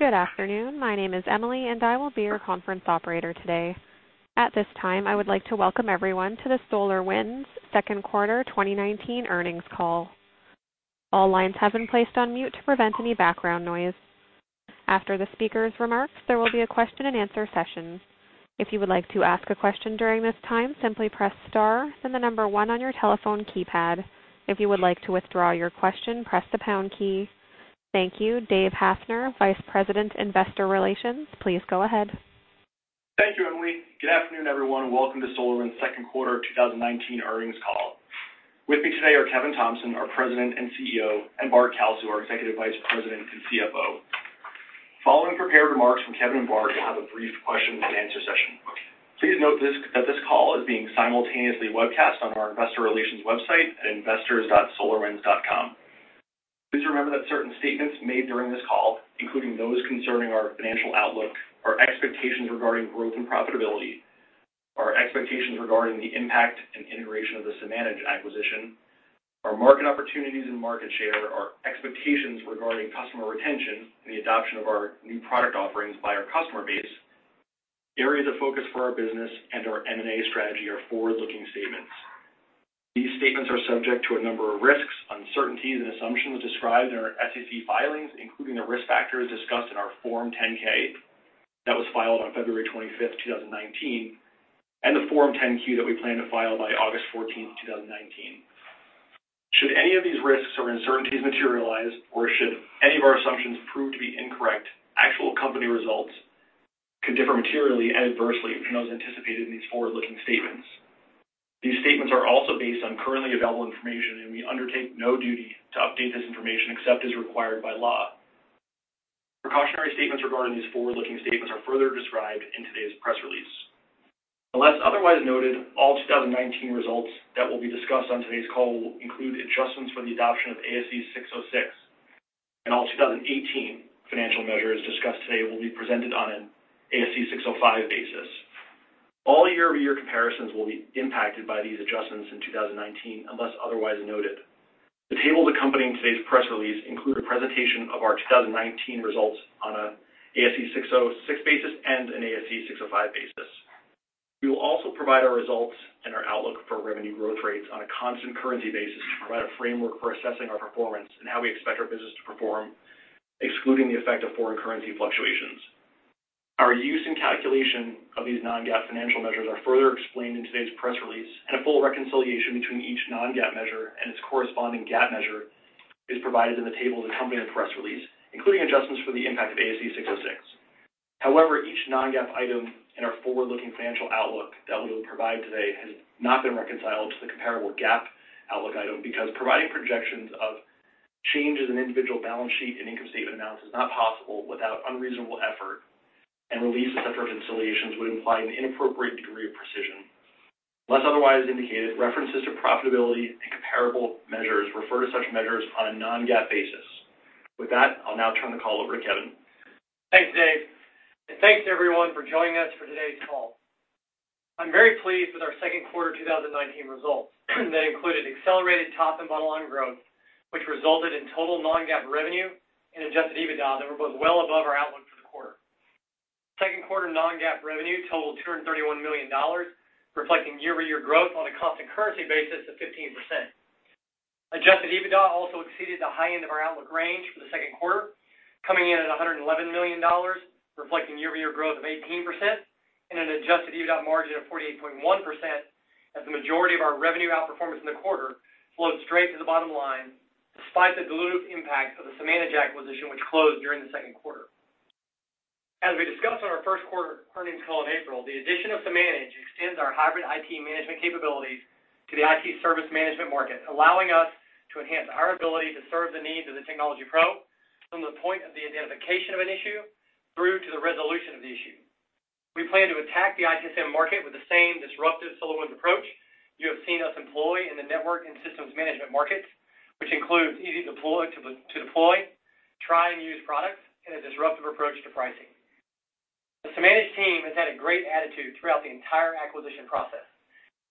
Good afternoon. My name is Emily. I will be your conference operator today. At this time, I would like to welcome everyone to the SolarWinds second quarter 2019 earnings call. All lines have been placed on mute to prevent any background noise. After the speaker's remarks, there will be a question and answer session. If you would like to ask a question during this time, simply press star, then 1 on your telephone keypad. If you would like to withdraw your question, press the pound key. Thank you. David Hafner, Vice President, Investor Relations, please go ahead. Thank you, Emily. Good afternoon, everyone. Welcome to SolarWinds' second quarter 2019 earnings call. With me today are Kevin Thompson, our President and CEO, and Bart Kalsu, our Executive Vice President and CFO. Following prepared remarks from Kevin and Bart, we'll have a brief question and answer session. Please note that this call is being simultaneously webcast on our Investor Relations website at investors.solarwinds.com. Please remember that certain statements made during this call, including those concerning our financial outlook, our expectations regarding growth and profitability, our expectations regarding the impact and integration of the Samanage acquisition, our market opportunities and market share, our expectations regarding customer retention and the adoption of our new product offerings by our customer base, areas of focus for our business, and our M&A strategy are forward-looking statements. These statements are subject to a number of risks, uncertainties, and assumptions described in our SEC filings, including the risk factors discussed in our Form 10-K that was filed on February 25th, 2019, and the Form 10-Q that we plan to file by August 14th, 2019. Should any of these risks or uncertainties materialize, or should any of our assumptions prove to be incorrect, actual company results could differ materially and adversely from those anticipated in these forward-looking statements. These statements are also based on currently available information, and we undertake no duty to update this information except as required by law. Precautionary statements regarding these forward-looking statements are further described in today's press release. Unless otherwise noted, all 2019 results that will be discussed on today's call will include adjustments for the adoption of ASC 606, and all 2018 financial measures discussed today will be presented on an ASC 605 basis. All year-over-year comparisons will be impacted by these adjustments in 2019 unless otherwise noted. The tables accompanying today's press release include a presentation of our 2019 results on an ASC 606 basis and an ASC 605 basis. We will also provide our results and our outlook for revenue growth rates on a constant currency basis to provide a framework for assessing our performance and how we expect our business to perform, excluding the effect of foreign currency fluctuations. Our use and calculation of these non-GAAP financial measures are further explained in today's press release, and a full reconciliation between each non-GAAP measure and its corresponding GAAP measure is provided in the table accompanying the press release, including adjustments for the impact of ASC 606. However, each non-GAAP item in our forward-looking financial outlook that we will provide today has not been reconciled to the comparable GAAP outlook item because providing projections of changes in individual balance sheet and income statement amounts is not possible without unreasonable effort, and release of such reconciliations would imply an inappropriate degree of precision. Unless otherwise indicated, references to profitability and comparable measures refer to such measures on a non-GAAP basis. With that, I'll now turn the call over to Kevin. Thanks, Dave, and thanks everyone for joining us for today's call. I'm very pleased with our second quarter 2019 results that included accelerated top and bottom-line growth, which resulted in total non-GAAP revenue and adjusted EBITDA that were both well above our outlook for the quarter. Second quarter non-GAAP revenue totaled $231 million, reflecting year-over-year growth on a constant currency basis of 15%. Adjusted EBITDA also exceeded the high end of our outlook range for the second quarter, coming in at $111 million, reflecting year-over-year growth of 18% and an adjusted EBITDA margin of 48.1% as the majority of our revenue outperformance in the quarter flowed straight to the bottom line despite the dilutive impact of the Samanage acquisition, which closed during the second quarter. As we discussed on our first quarter earnings call in April, the addition of Samanage extends our hybrid IT management capabilities to the IT service management market, allowing us to enhance our ability to serve the needs of the technology pro from the point of the identification of an issue through to the resolution of the issue. We plan to attack the ITSM market with the same disruptive SolarWinds approach you have seen us employ in the network and systems management markets, which includes easy to deploy, try, and use products and a disruptive approach to pricing.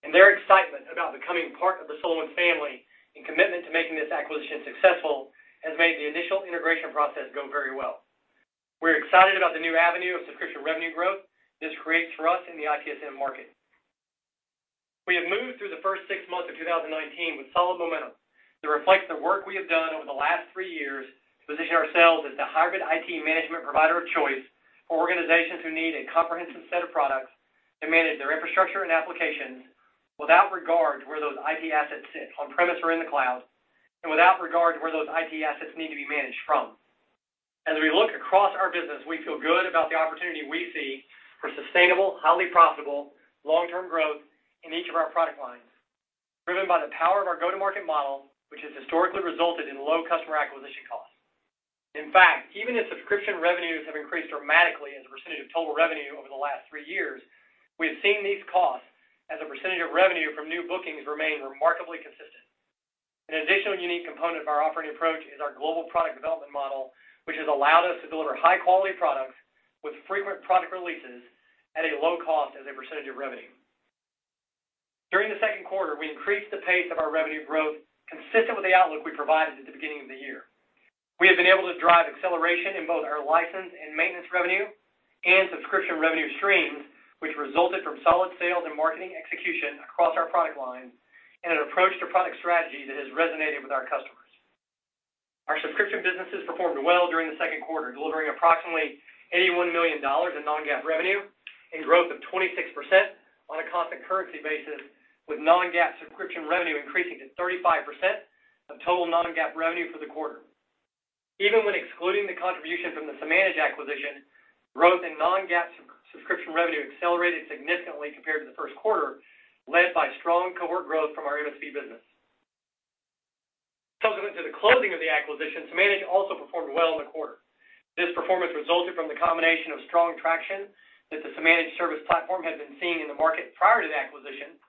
Their excitement about becoming part of the SolarWinds family and commitment to making this acquisition successful has made the initial integration process go very well. We're excited about the new avenue of subscription revenue growth this creates for us in the ITSM market. We have moved through the first six months of 2019 with solid momentum that reflects the work we have done over the last three years to position ourselves as the hybrid IT management provider of choice for organizations who need a comprehensive set of products to manage their infrastructure and applications without regard to where those IT assets sit, on premise or in the cloud, and without regard to where those IT assets need to be managed from. As we look across our business, we feel good about the opportunity we see for sustainable, highly profitable, long-term growth in each of our product lines, driven by the power of our go-to-market model, which has historically resulted in low customer acquisition costs. In fact, even as subscription revenues have increased dramatically as a percentage of total revenue over the last three years, we have seen these costs as a percentage of revenue from new bookings remain remarkably consistent. An additional unique component of our operating approach is our global product development model, which has allowed us to deliver high-quality products with frequent product releases at a low cost as a percentage of revenue. During the second quarter, we increased the pace of our revenue growth consistent with the outlook we provided at the beginning of the year. We have been able to drive acceleration in both our license and maintenance revenue and subscription revenue streams, which resulted from solid sales and marketing execution across our product lines and an approach to product strategy that has resonated with our customers. Our subscription businesses performed well during the second quarter, delivering approximately $81 million in non-GAAP revenue and growth of 26% on a constant currency basis, with non-GAAP subscription revenue increasing to 35% of total non-GAAP revenue for the quarter. Even when excluding the contribution from the Samanage acquisition, growth in non-GAAP subscription revenue accelerated significantly compared to the first quarter, led by strong cohort growth from our MSP business. Complementary to the closing of the acquisition, Samanage also performed well in the quarter. This performance resulted from the combination of strong traction that the Samanage Service Platform had been seeing in the market prior to the acquisition,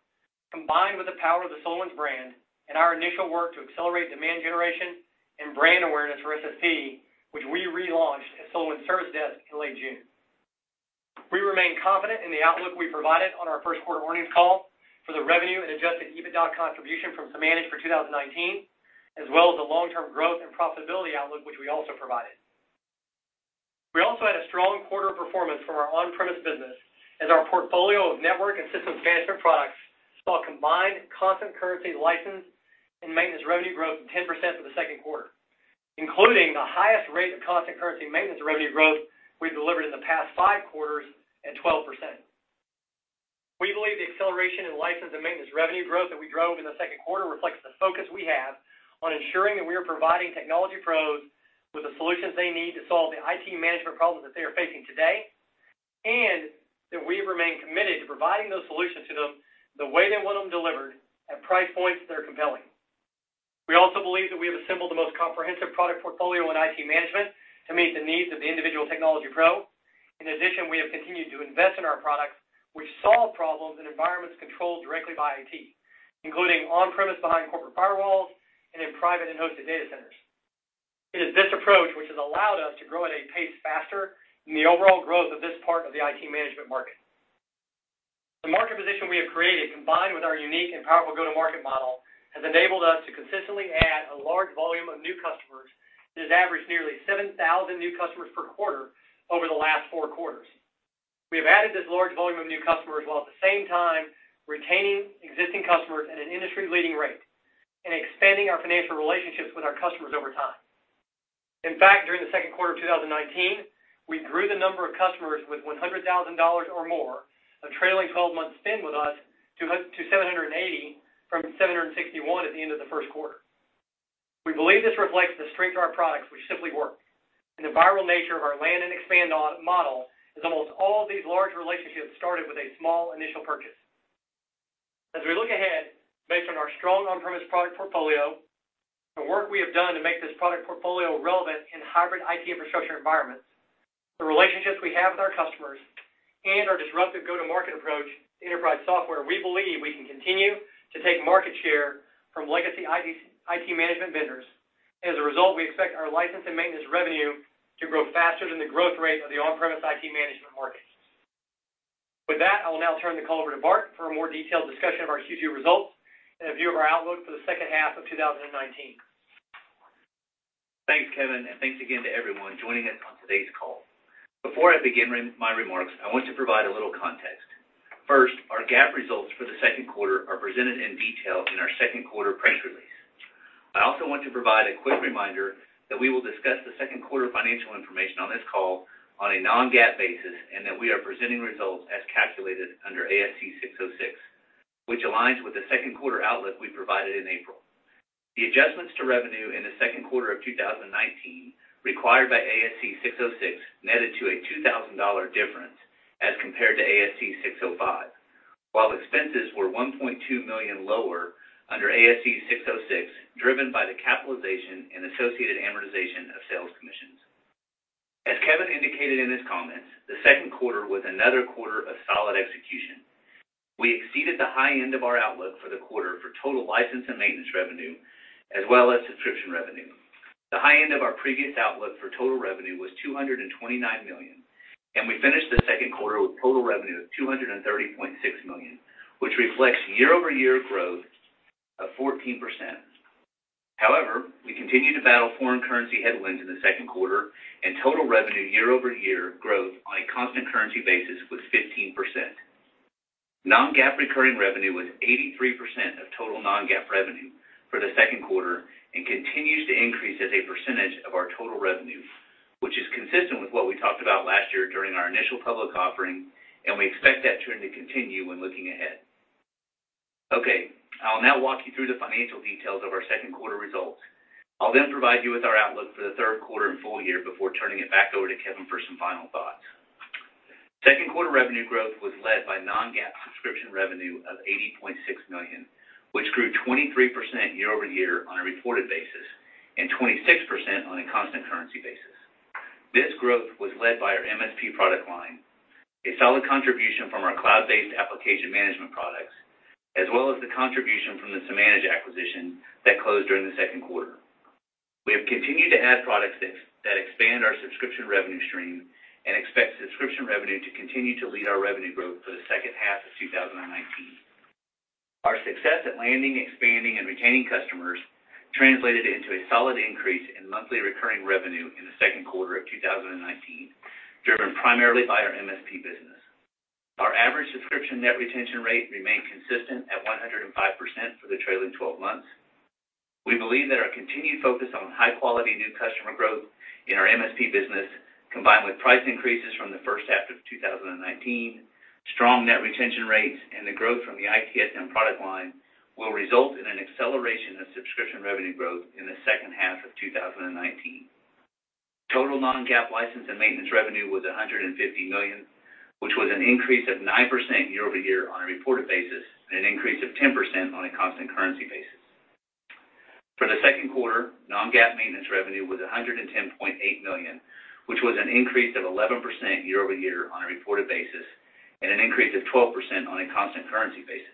combined with the power of the SolarWinds brand and our initial work to accelerate demand generation and brand awareness for SSP, which we relaunched as SolarWinds Service Desk in late June. We remain confident in the outlook we provided on our first quarter earnings call for the revenue and adjusted EBITDA contribution from Samanage for 2019, as well as the long-term growth and profitability outlook, which we also provided. We also had a strong quarter performance from our on-premise business as our portfolio of network and systems management products saw combined constant currency license and maintenance revenue growth of 10% for the second quarter, including the highest rate of constant currency maintenance revenue growth we've delivered in the past five quarters at 12%. We believe the acceleration in license and maintenance revenue growth that we drove in the second quarter reflects the focus we have on ensuring that we are providing technology pros with the solutions they need to solve the IT management problems that they are facing today, and that we remain committed to providing those solutions to them the way they want them delivered at price points that are compelling. We also believe that we have assembled the most comprehensive product portfolio in IT management to meet the needs of the individual technology pro. In addition, we have continued to invest in our products, which solve problems in environments controlled directly by IT, including on-premise behind corporate firewalls and in private and hosted data centers. It is this approach which has allowed us to grow at a pace faster than the overall growth of this part of the IT management market. The market position we have created, combined with our unique and powerful go-to-market model, has enabled us to consistently add a large volume of new customers that has averaged nearly 7,000 new customers per quarter over the last 4 quarters. We have added this large volume of new customers while at the same time retaining existing customers at an industry-leading rate and expanding our financial relationships with our customers over time. In fact, during the second quarter of 2019, we grew the number of customers with $100,000 or more of trailing twelve months spend with us to 780 from 761 at the end of the first quarter. We believe this reflects the strength of our products, which simply work, and the viral nature of our land and expand model as almost all these large relationships started with a small initial purchase. As we look ahead, based on our strong on-premise product portfolio, the work we have done to make this product portfolio relevant in hybrid IT infrastructure environments, the relationships we have with our customers, and our disruptive go-to-market approach to enterprise software, we believe we can continue to take market share from legacy IT management vendors. As a result, we expect our license and maintenance revenue to grow faster than the growth rate of the on-premise IT management market. With that, I will now turn the call over to Bart for a more detailed discussion of our Q2 results and a view of our outlook for the second half of 2019. Thanks, Kevin. Thanks again to everyone joining us on today's call. Before I begin my remarks, I want to provide a little context. First, our GAAP results for the second quarter are presented in detail in our second quarter press release. I also want to provide a quick reminder that we will discuss the second quarter financial information on this call on a non-GAAP basis. We are presenting results as calculated under ASC 606, which aligns with the second quarter outlook we provided in April. The adjustments to revenue in the second quarter of 2019 required by ASC 606 netted to a $2,000 difference as compared to ASC 605. While expenses were $1.2 million lower under ASC 606, driven by the capitalization and associated amortization of sales commissions. As Kevin indicated in his comments, the second quarter was another quarter of solid execution. We exceeded the high end of our outlook for the quarter for total license and maintenance revenue, as well as subscription revenue. The high end of our previous outlook for total revenue was $229 million, and we finished the second quarter with total revenue of $230.6 million, which reflects year-over-year growth of 14%. However, we continued to battle foreign currency headwinds in the second quarter, and total revenue year-over-year growth on a constant currency basis was 15%. Non-GAAP recurring revenue was 83% of total non-GAAP revenue for the second quarter and continues to increase as a percentage of our total revenue, which is consistent with what we talked about last year during our initial public offering, and we expect that trend to continue when looking ahead. Okay, I will now walk you through the financial details of our second quarter results. I'll then provide you with our outlook for the third quarter and full year before turning it back over to Kevin for some final thoughts. Second quarter revenue growth was led by non-GAAP subscription revenue of $80.6 million, which grew 23% year-over-year on a reported basis and 26% on a constant currency basis. This growth was led by our MSP product line, a solid contribution from our cloud-based application management products, as well as the contribution from the Samanage acquisition that closed during the second quarter. We have continued to add products that expand our subscription revenue stream and expect subscription revenue to continue to lead our revenue growth for the second half of 2019. Our success at landing, expanding, and retaining customers translated into a solid increase in monthly recurring revenue in the second quarter of 2019, driven primarily by our MSP business. Our average subscription net retention rate remained consistent at 105% for the trailing 12 months. We believe that our continued focus on high-quality new customer growth in our MSP business, combined with price increases from the first half of 2019, strong net retention rates, and the growth from the ITSM product line, will result in an acceleration of subscription revenue growth in the second half of 2019. Total non-GAAP license and maintenance revenue was $150 million, which was an increase of 9% year-over-year on a reported basis, and an increase of 10% on a constant currency basis. For the second quarter, non-GAAP maintenance revenue was $110.8 million, which was an increase of 11% year-over-year on a reported basis, and an increase of 12% on a constant currency basis.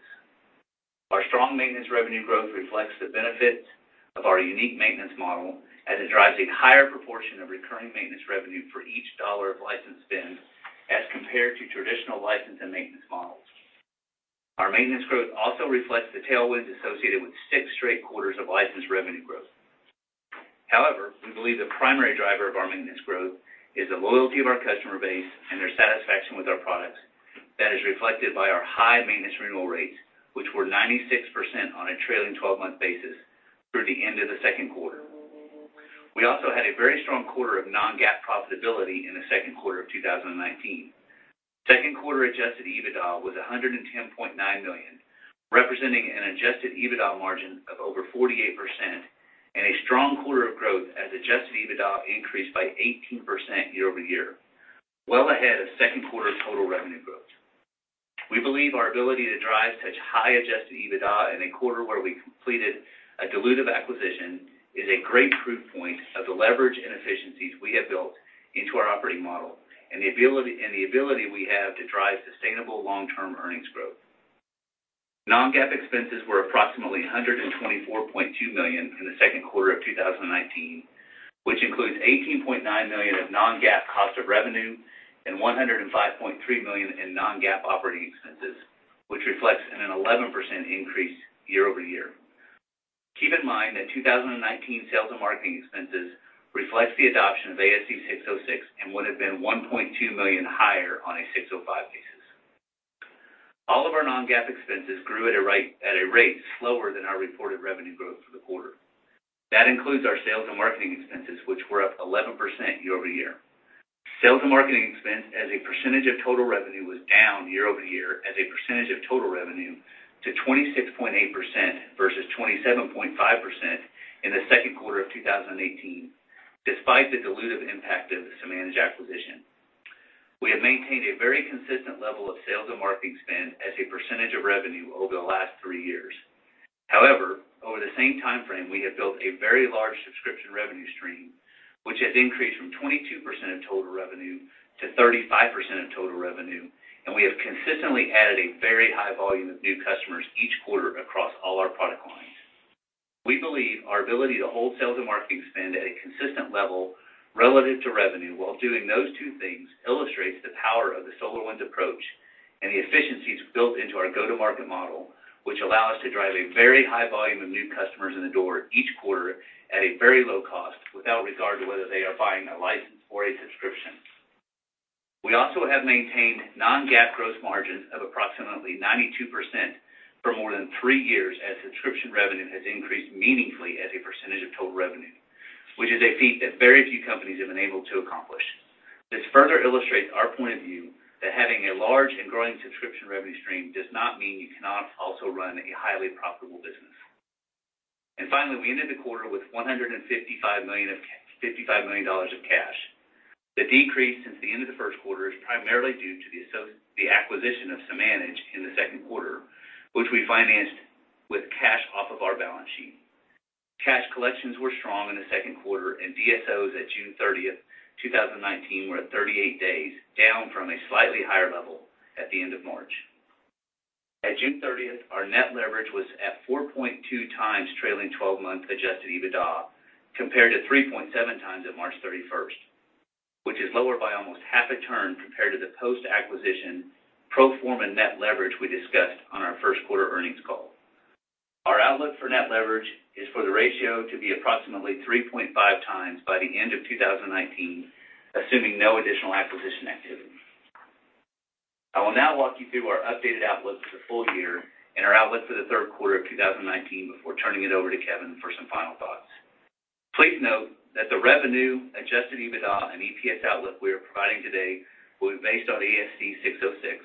Our strong maintenance revenue growth reflects the benefits of our unique maintenance model, as it drives a higher proportion of recurring maintenance revenue for each dollar of license spend as compared to traditional license and maintenance models. Our maintenance growth also reflects the tailwinds associated with six straight quarters of license revenue growth. However, we believe the primary driver of our maintenance growth is the loyalty of our customer base and their satisfaction with our products. That is reflected by our high maintenance renewal rates, which were 96% on a trailing 12-month basis through the end of the second quarter. We also had a very strong quarter of non-GAAP profitability in the second quarter of 2019. Second quarter adjusted EBITDA was $110.9 million, representing an adjusted EBITDA margin of over 48% and a strong quarter of growth as adjusted EBITDA increased by 18% year-over-year, well ahead of second quarter total revenue growth. We believe our ability to drive such high adjusted EBITDA in a quarter where we completed a dilutive acquisition is a great proof point of the leverage and efficiencies we have built into our operating model, and the ability we have to drive sustainable long-term earnings growth. Non-GAAP expenses were approximately $124.2 million in the second quarter of 2019, which includes $18.9 million of non-GAAP cost of revenue and $105.3 million in non-GAAP operating expenses, which reflects an 11% increase year-over-year. Keep in mind that 2019 sales and marketing expenses reflect the adoption of ASC 606 and would have been $1.2 million higher on a 605 basis. All of our non-GAAP expenses grew at a rate slower than our reported revenue growth for the quarter. That includes our sales and marketing expenses, which were up 11% year-over-year. Sales and marketing expense as a percentage of total revenue was down year-over-year as a percentage of total revenue to 26.8% versus 27.5% in the second quarter of 2018, despite the dilutive impact of the Samanage acquisition. We have maintained a very consistent level of sales and marketing spend as a percentage of revenue over the last three years. Over the same time frame, we have built a very large subscription revenue stream, which has increased from 22% of total revenue to 35% of total revenue, and we have consistently added a very high volume of new customers each quarter across all our product lines. We believe our ability to hold sales and marketing spend at a consistent level relative to revenue while doing those two things illustrates the power of the SolarWinds approach and the efficiencies built into our go-to-market model, which allow us to drive a very high volume of new customers in the door each quarter at a very low cost, without regard to whether they are buying a license or a subscription. We also have maintained non-GAAP gross margins of approximately 92% for more than three years as subscription revenue has increased meaningfully as a percentage of total revenue, which is a feat that very few companies have been able to accomplish. This further illustrates our point of view that having a large and growing subscription revenue stream does not mean you cannot also run a highly profitable business. Finally, we ended the quarter with $155 million of cash. The decrease since the end of the first quarter is primarily due to the acquisition of Samanage in the second quarter, which we financed with cash off of our balance sheet. Cash collections were strong in the second quarter, and DSOs at June 30th, 2019, were at 38 days, down from a slightly higher level at the end of March. At June 30th, our net leverage was at 4.2x trailing 12-month adjusted EBITDA compared to 3.7x at March 31st, which is lower by almost half a turn compared to the post-acquisition pro forma net leverage we discussed on our first quarter earnings call. Our outlook for net leverage is for the ratio to be approximately 3.5x by the end of 2019, assuming no additional acquisition activity. I will now walk you through our updated outlook for the full year and our outlook for the third quarter of 2019 before turning it over to Kevin for some final thoughts. Please note that the revenue, adjusted EBITDA, and EPS outlook we are providing today will be based on ASC 606.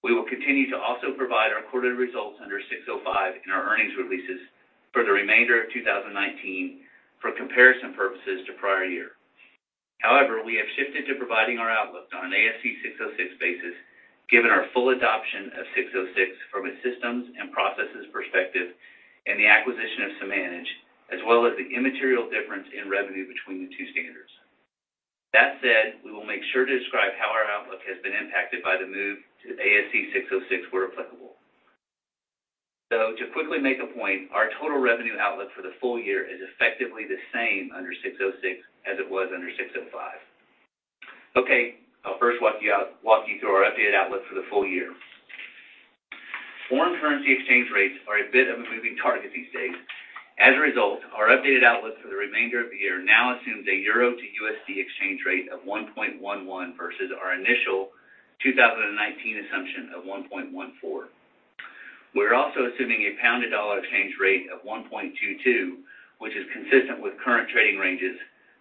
We will continue to also provide our quarterly results under 605 in our earnings releases for the remainder of 2019 for comparison purposes to prior year. We have shifted to providing our outlook on an ASC 606 basis, given our full adoption of 606 from a systems and processes perspective and the acquisition of Samanage, as well as the immaterial difference in revenue between the two standards. That said, we will make sure to describe how our outlook has been impacted by the move to ASC 606 where applicable. To quickly make a point, our total revenue outlook for the full year is effectively the same under ASC 606 as it was under ASC 605. Okay. I'll first walk you through our updated outlook for the full year. Foreign currency exchange rates are a bit of a moving target these days. As a result, our updated outlook for the remainder of the year now assumes a euro to USD exchange rate of 1.11 versus our initial 2019 assumption of 1.14. We're also assuming a pound to dollar exchange rate of 1.22, which is consistent with current trading ranges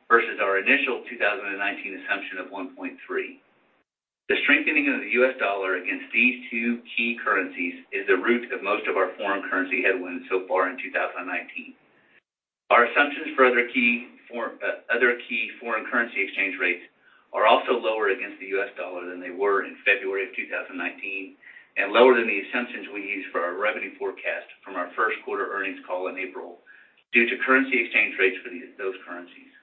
versus our initial 2019 assumption of 1.3. The strengthening of the U.S. dollar against these two key currencies is the root of most of our foreign currency headwinds so far in 2019. Our assumptions for other key foreign currency exchange rates are also lower against the U.S. dollar than they were in February of 2019, and lower than the assumptions we used for our revenue forecast from our first quarter earnings call in April due to currency exchange rates for those currencies.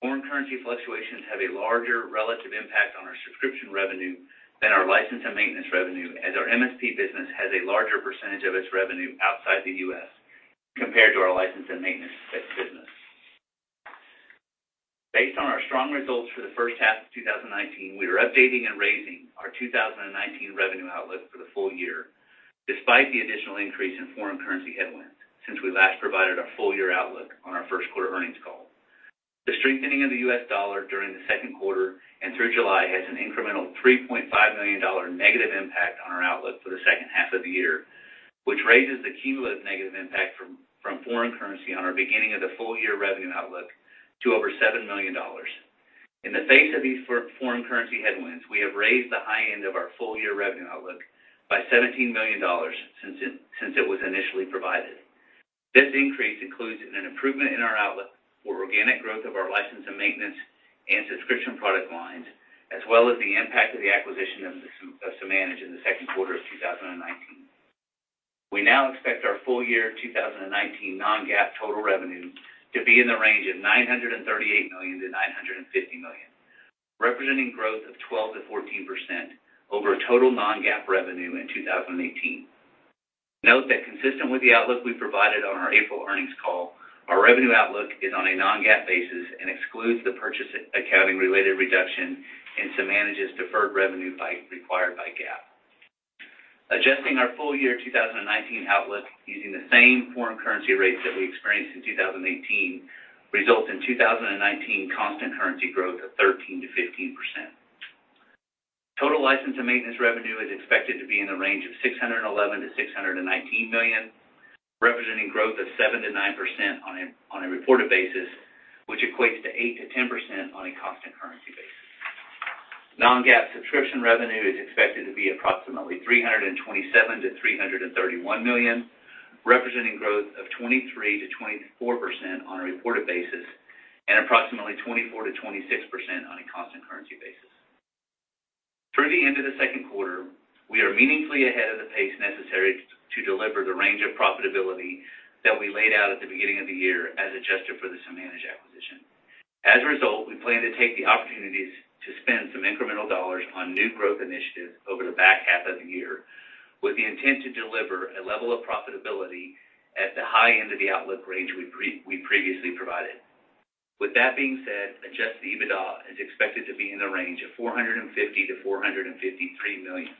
Foreign currency fluctuations have a larger relative impact on our subscription revenue than our license and maintenance revenue, as our MSP business has a larger percentage of its revenue outside the U.S. compared to our license and maintenance business. Based on our strong results for the first half of 2019, we are updating and raising our 2019 revenue outlook for the full year, despite the additional increase in foreign currency headwinds since we last provided our full-year outlook on our first quarter earnings call. The strengthening of the U.S. dollar during the second quarter and through July has an incremental $3.5 million negative impact on our outlook for the second half of the year, which raises the cumulative negative impact from foreign currency on our beginning of the full year revenue outlook to over $7 million. In the face of these foreign currency headwinds, we have raised the high end of our full year revenue outlook by $17 million since it was initially provided. This increase includes an improvement in our outlook for organic growth of our license and maintenance and subscription product lines, as well as the impact of the acquisition of Samanage in the second quarter of 2019. We now expect our full year 2019 non-GAAP total revenue to be in the range of $938 million-$950 million, representing growth of 12%-14% over total non-GAAP revenue in 2018. Note that consistent with the outlook we provided on our April earnings call, our revenue outlook is on a non-GAAP basis and excludes the purchase accounting related reduction in Samanage's deferred revenue required by GAAP. Adjusting our full year 2019 outlook using the same foreign currency rates that we experienced in 2018, results in 2019 constant currency growth of 13%-15%. Total license and maintenance revenue is expected to be in the range of $611 million-$619 million, representing growth of 7%-9% on a reported basis, which equates to 8%-10% on a constant currency basis. Non-GAAP subscription revenue is expected to be approximately $327 million-$331 million, representing growth of 23%-24% on a reported basis, and approximately 24%-26% on a constant currency basis. Through the end of the second quarter, we are meaningfully ahead of the pace necessary to deliver the range of profitability that we laid out at the beginning of the year as adjusted for the Samanage acquisition. As a result, we plan to take the opportunities to spend some incremental dollars on new growth initiatives over the back half of the year with the intent to deliver a level of profitability at the high end of the outlook range we previously provided. With that being said, Adjusted EBITDA is expected to be in the range of $450 million-$453 million,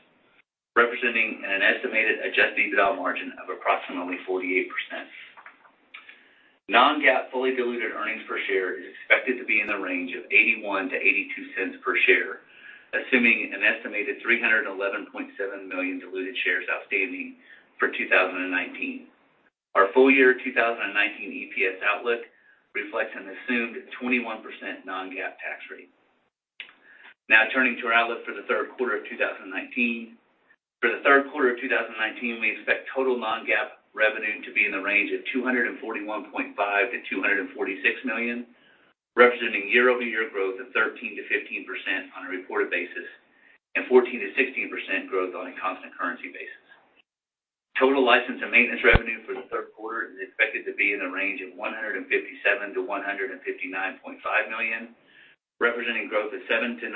representing an estimated Adjusted EBITDA margin of approximately 48%. Non-GAAP fully diluted earnings per share is expected to be in the range of $0.81-$0.82 per share, assuming an estimated 311.7 million diluted shares outstanding for 2019. Our full year 2019 EPS outlook reflects an assumed 21% non-GAAP tax rate. Turning to our outlook for the third quarter of 2019. For the third quarter of 2019, we expect total non-GAAP revenue to be in the range of $241.5 million-$246 million, representing year-over-year growth of 13%-15% on a reported basis, and 14%-16% growth on a constant currency basis. Total license and maintenance revenue for the third quarter is expected to be in the range of $157 million-$159.5 million, representing growth of 7%-9%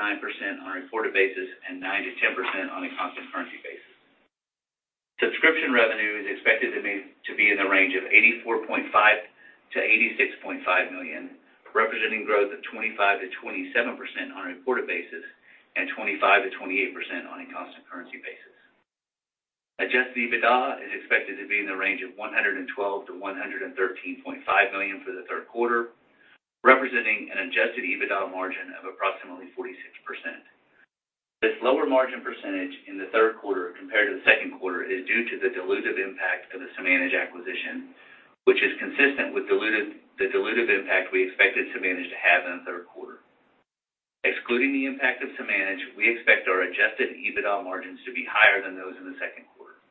on a reported basis and 9%-10% on a constant currency basis. Subscription revenue is expected to be in the range of $84.5 million-$86.5 million, representing growth of 25%-27% on a reported basis and 25%-28% on a constant currency basis. Adjusted EBITDA is expected to be in the range of $112 million-$113.5 million for the third quarter, representing an adjusted EBITDA margin of approximately 46%. This lower margin percentage in the third quarter compared to the second quarter is due to the dilutive impact of the Samanage acquisition, which is consistent with the dilutive impact we expected Samanage to have in the third quarter. Excluding the impact of Samanage, we expect our adjusted EBITDA margins to be higher than those in the second quarter.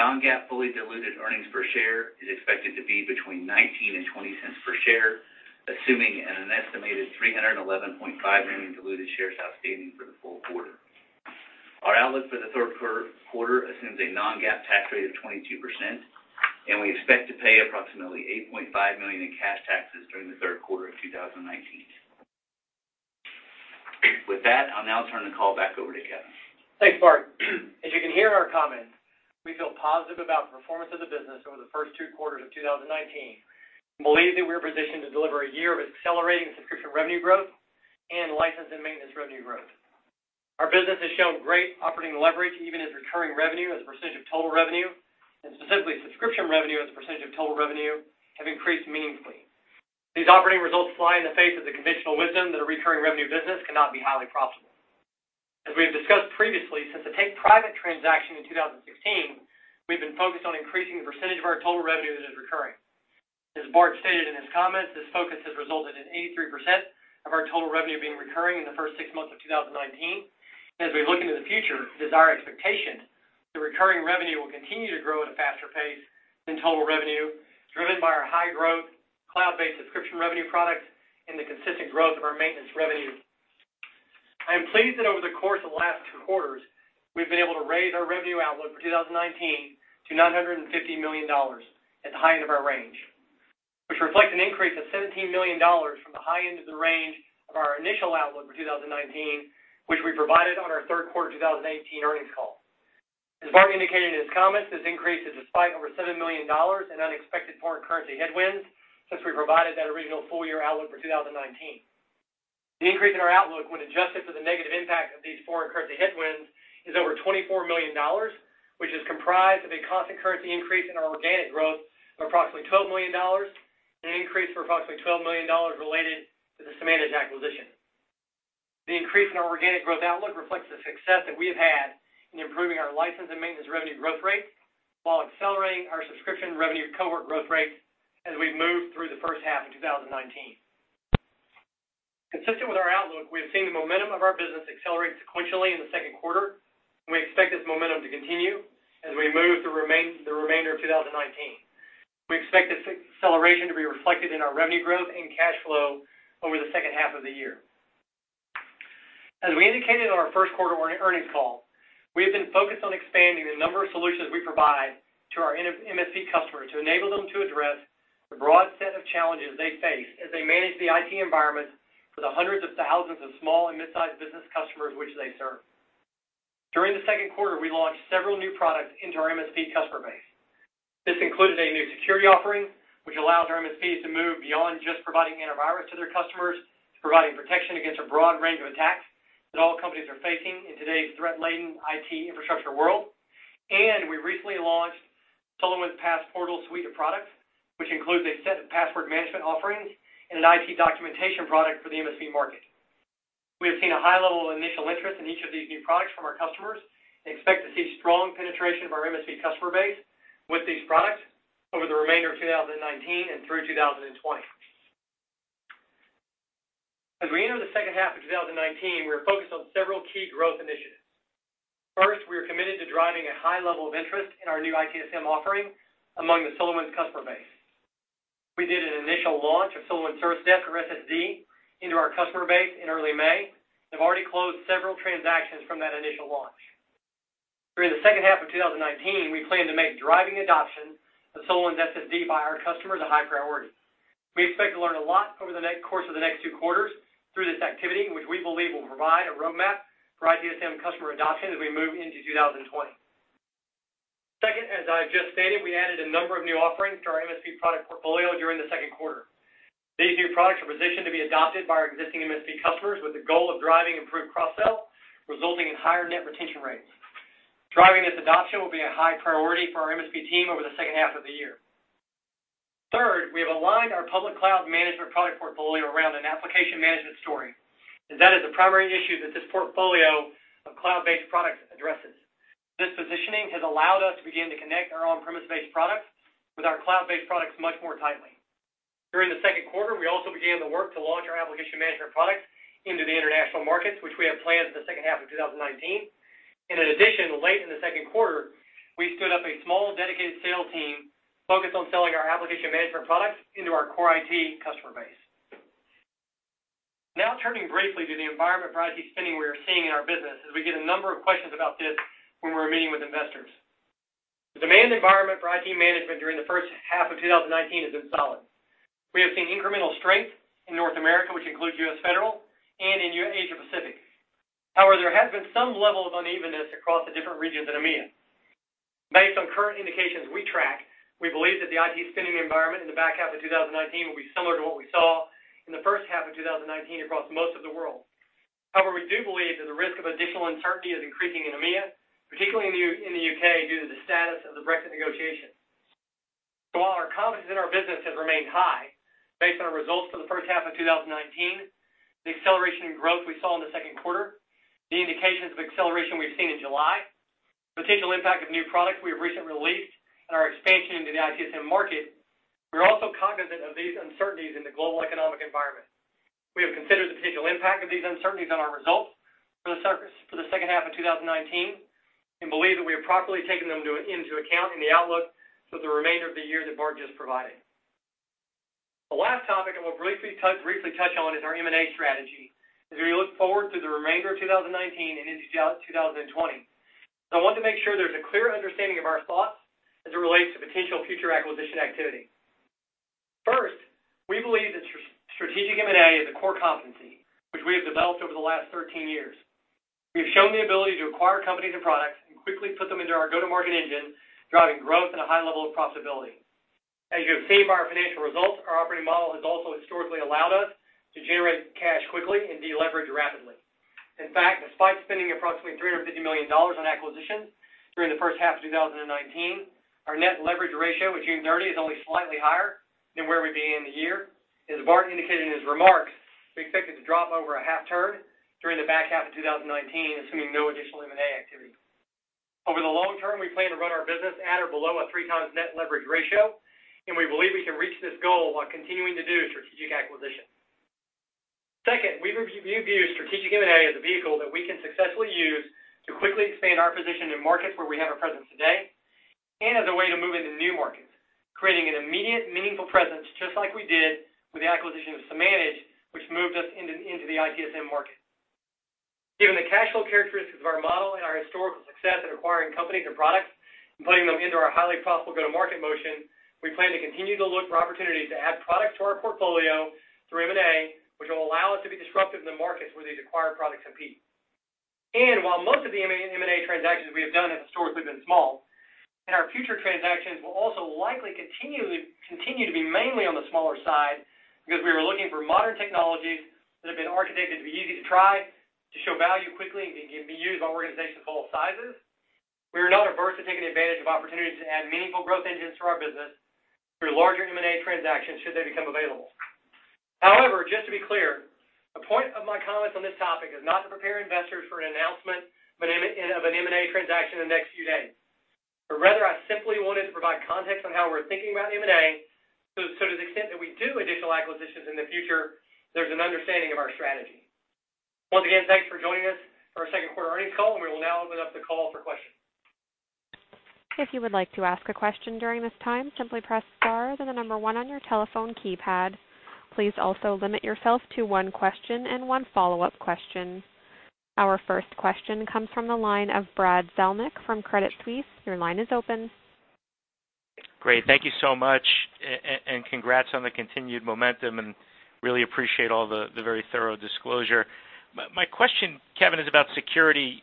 Non-GAAP fully diluted earnings per share is expected to be between $0.19 and $0.20 per share, assuming an estimated 311.5 million diluted shares outstanding for the full quarter. Our outlook for the third quarter assumes a non-GAAP tax rate of 22%, and we expect to pay approximately $8.5 million in cash taxes during the third quarter of 2019. I'll now turn the call back over to Kevin. Thanks, Bart. As you can hear in our comments, we feel positive about the performance of the business over the first two quarters of 2019, and believe that we are positioned to deliver a year of accelerating subscription revenue growth and license and maintenance revenue growth. Our business has shown great operating leverage, even as recurring revenue as a percentage of total revenue, and specifically subscription revenue as a percentage of total revenue, have increased meaningfully. These operating results fly in the face of the conventional wisdom that a recurring revenue business cannot be highly profitable. As we have discussed previously, since the take-private transaction in 2016, we've been focused on increasing the percentage of our total revenue that is recurring. As Bart stated in his comments, this focus has resulted in 83% of our total revenue being recurring in the first six months of 2019. As we look into the future, it is our expectation that recurring revenue will continue to grow at a faster pace than total revenue, driven by our high-growth cloud-based subscription revenue products and the consistent growth of our maintenance revenue. I am pleased that over the course of the last two quarters, we've been able to raise our revenue outlook for 2019 to $950 million, at the high end of our range, which reflects an increase of $17 million from the high end of the range of our initial outlook for 2019, which we provided on our third quarter 2018 earnings call. As Bart indicated in his comments, this increase is despite over $7 million in unexpected foreign currency headwinds since we provided that original full-year outlook for 2019. The increase in our outlook, when adjusted for the negative impact of these foreign currency headwinds, is over $24 million, which is comprised of a constant currency increase in our organic growth of approximately $12 million and an increase of approximately $12 million related to the Samanage acquisition. The increase in our organic growth outlook reflects the success that we have had in improving our license and maintenance revenue growth rate while accelerating our subscription revenue cohort growth rate as we've moved through the first half of 2019. Consistent with our outlook, we have seen the momentum of our business accelerate sequentially in the second quarter, and we expect this momentum to continue as we move through the remainder of 2019. We expect this acceleration to be reflected in our revenue growth and cash flow over the second half of the year. As we indicated on our first quarter earnings call, we have been focused on expanding the number of solutions we provide to our MSP customers to enable them to address the broad set of challenges they face as they manage the IT environment for the hundreds of thousands of small and mid-sized business customers which they serve. During the second quarter, we launched several new products into our MSP customer base. This included a new security offering, which allows our MSPs to move beyond just providing antivirus to their customers to providing protection against a broad range of attacks that all companies are facing in today's threat-laden IT infrastructure world. We recently launched SolarWinds Passportal suite of products, which includes a set of password management offerings and an IT documentation product for the MSP market. We have seen a high level of initial interest in each of these new products from our customers, and expect to see strong penetration of our MSP customer base with these products over the remainder of 2019 and through 2020. As we enter the second half of 2019, we are focused on several key growth initiatives. First, we are committed to driving a high level of interest in our new ITSM offering among the SolarWinds customer base. We did an initial launch of SolarWinds Service Desk, or SSD, into our customer base in early May, and have already closed several transactions from that initial launch. During the second half of 2019, we plan to make driving adoption of SolarWinds SSD by our customers a high priority. We expect to learn a lot over the course of the next two quarters through this activity, which we believe will provide a roadmap for ITSM customer adoption as we move into 2020. Second, as I've just stated, we added a number of new offerings to our MSP product portfolio during the second quarter. These new products are positioned to be adopted by our existing MSP customers with the goal of driving improved cross-sell, resulting in higher net retention rates. Driving this adoption will be a high priority for our MSP team over the second half of the year. Third, we have aligned our public cloud management product portfolio around an application management story, as that is the primary issue that this portfolio of cloud-based products addresses. This positioning has allowed us to begin to connect our on-premise based products with our cloud-based products much more tightly. During the second quarter, we also began the work to launch our application management products into the international markets, which we have planned for the second half of 2019. In addition, late in the second quarter, we stood up a small dedicated sales team focused on selling our application management products into our core IT customer base. Turning briefly to the environment for IT spending we are seeing in our business, as we get a number of questions about this when we're meeting with investors. The demand environment for IT management during the first half of 2019 has been solid. We have seen incremental strength in North America, which includes U.S. Federal, and in Asia Pacific. However, there has been some level of unevenness across the different regions in EMEA. Based on current indications we track, we believe that the IT spending environment in the back half of 2019 will be similar to what we saw in the first half of 2019 across most of the world. However, we do believe that the risk of additional uncertainty is increasing in EMEA, particularly in the U.K., due to the status of the Brexit negotiations. While our confidence in our business has remained high based on our results for the first half of 2019, the acceleration in growth we saw in the second quarter, the indications of acceleration we've seen in July, potential impact of new products we have recently released, and our expansion into the ITSM market, we are also cognizant of these uncertainties in the global economic environment. We have considered the potential impact of these uncertainties on our results for the second half of 2019, and believe that we have properly taken them into account in the outlook for the remainder of the year that Bart just provided. The last topic that we'll briefly touch on is our M&A strategy as we look forward to the remainder of 2019 and into 2020. I want to make sure there's a clear understanding of our thoughts as it relates to potential future acquisition activity. We believe that strategic M&A is a core competency which we have developed over the last 13 years. We have shown the ability to acquire companies and products and quickly put them into our go-to-market engine, driving growth and a high level of profitability. As you have seen by our financial results, our operating model has also historically allowed us to generate cash quickly and de-leverage rapidly. In fact, despite spending approximately $350 million on acquisitions during the first half of 2019, our net leverage ratio at June 30 is only slightly higher than where we began the year. As Bart indicated in his remarks, we expect it to drop over a half turn during the back half of 2019, assuming no additional M&A activity. Over the long term, we plan to run our business at or below a three times net leverage ratio, and we believe we can reach this goal while continuing to do strategic acquisitions. Second, we view strategic M&A as a vehicle that we can successfully use to quickly expand our position in markets where we have a presence today and as a way to move into new markets, creating an immediate, meaningful presence, just like we did with the acquisition of Samanage, which moved us into the ITSM market. Given the cash flow characteristics of our model and our historical success in acquiring companies and products and putting them into our highly profitable go-to-market motion, we plan to continue to look for opportunities to add products to our portfolio through M&A, which will allow us to be disruptive in the markets where these acquired products compete. While most of the M&A transactions we have done have historically been small, and our future transactions will also likely continue to be mainly on the smaller side because we are looking for modern technologies that have been architected to be easy to try, to show value quickly, and can be used by organizations of all sizes. We are not averse to taking advantage of opportunities to add meaningful growth engines to our business through larger M&A transactions, should they become available. However, just to be clear, the point of my comments on this topic is not to prepare investors for an announcement of an M&A transaction in the next few days. Rather, I simply wanted to provide context on how we're thinking about M&A, so to the extent that we do additional acquisitions in the future, there's an understanding of our strategy. Once again, thanks for joining us for our second quarter earnings call. We will now open up the call for questions. If you would like to ask a question during this time, simply press star, then the number one on your telephone keypad. Please also limit yourself to one question and one follow-up question. Our first question comes from the line of Brad Zelnick from Credit Suisse. Your line is open. Great. Thank you so much, and congrats on the continued momentum, and really appreciate all the very thorough disclosure. My question, Kevin, is about security.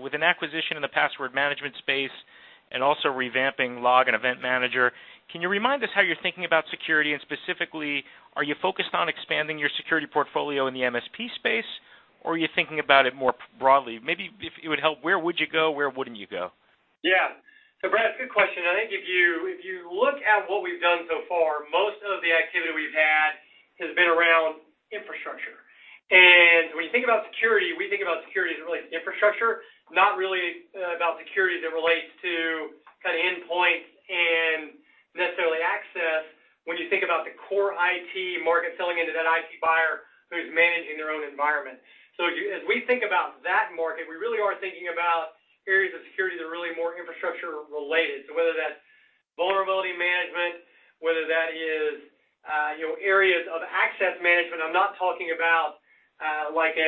With an acquisition in the password management space and also revamping Log and Event Manager, can you remind us how you're thinking about security? Specifically, are you focused on expanding your security portfolio in the MSP space, or are you thinking about it more broadly? Maybe if it would help, where would you go? Where wouldn't you go? Yeah. Brad, good question. I think if you look at what we've done so far, most of the activity we've had has been around infrastructure. When you think about security, we think about security as it relates to infrastructure, not really about security that relates to kind of endpoints and necessarily access when you think about the core IT market selling into that IT buyer who's managing their own environment. As we think about that market, we really are thinking about areas of security that are really more infrastructure related. Whether that's vulnerability management, whether that is areas of access management. I'm not talking about like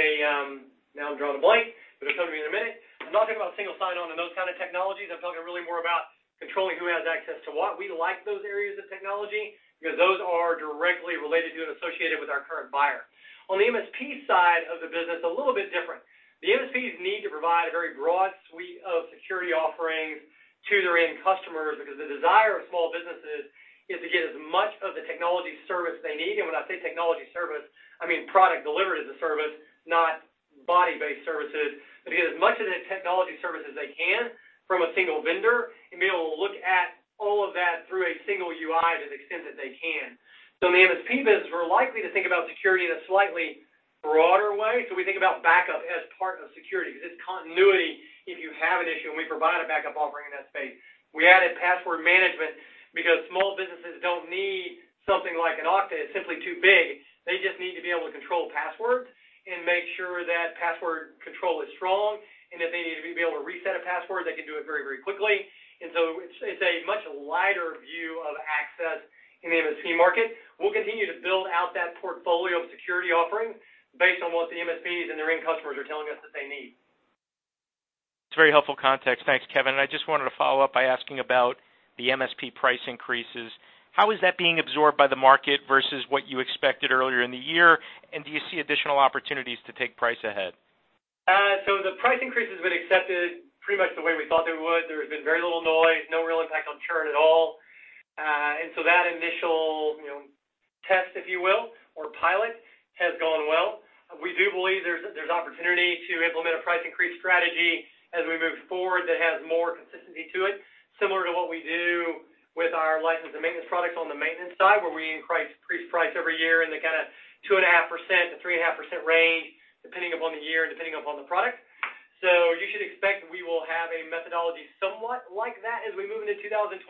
Now I'm drawing a blank, but it'll come to me in a minute. I'm not talking about single sign-on and those kind of technologies. I'm talking really more about controlling who has access to what. We like those areas of technology because those are directly related to and associated with our current buyer. On the MSP side of the business, a little bit different. The MSPs need to provide a very broad suite of security offerings to their end customers because the desire of small businesses is to get as much of the technology service they need. When I say technology service, I mean product delivered as a service, not body-based services. To get as much of the technology service as they can from a single vendor and be able to look at all of that through a single UI to the extent that they can. In the MSP business, we're likely to think about security in a slightly broader way. We think about backup as part of security because it's continuity if you have an issue, and we provide a backup offering in that space. We added password management because small businesses don't need something like an Okta. It's simply too big. They just need to be able to control passwords and make sure that password control is strong, and if they need to be able to reset a password, they can do it very, very quickly. It's a much lighter view of access in the MSP market. We'll continue to build out that portfolio of security offerings based on what the MSPs and their end customers are telling us that they need. It's very helpful context. Thanks, Kevin. I just wanted to follow up by asking about the MSP price increases. How is that being absorbed by the market versus what you expected earlier in the year, and do you see additional opportunities to take price ahead? The price increase has been accepted pretty much the way we thought they would. There has been very little noise, no real impact on churn at all. That initial test, if you will, or pilot, has gone well. We do believe there's opportunity to implement a price increase strategy as we move forward that has more consistency to it, similar to what we do with our license and maintenance products on the maintenance side, where we increase price every year in the kind of 2.5%-3.5% range, depending upon the year and depending upon the product. You should expect we will have a methodology somewhat like that as we move into 2020.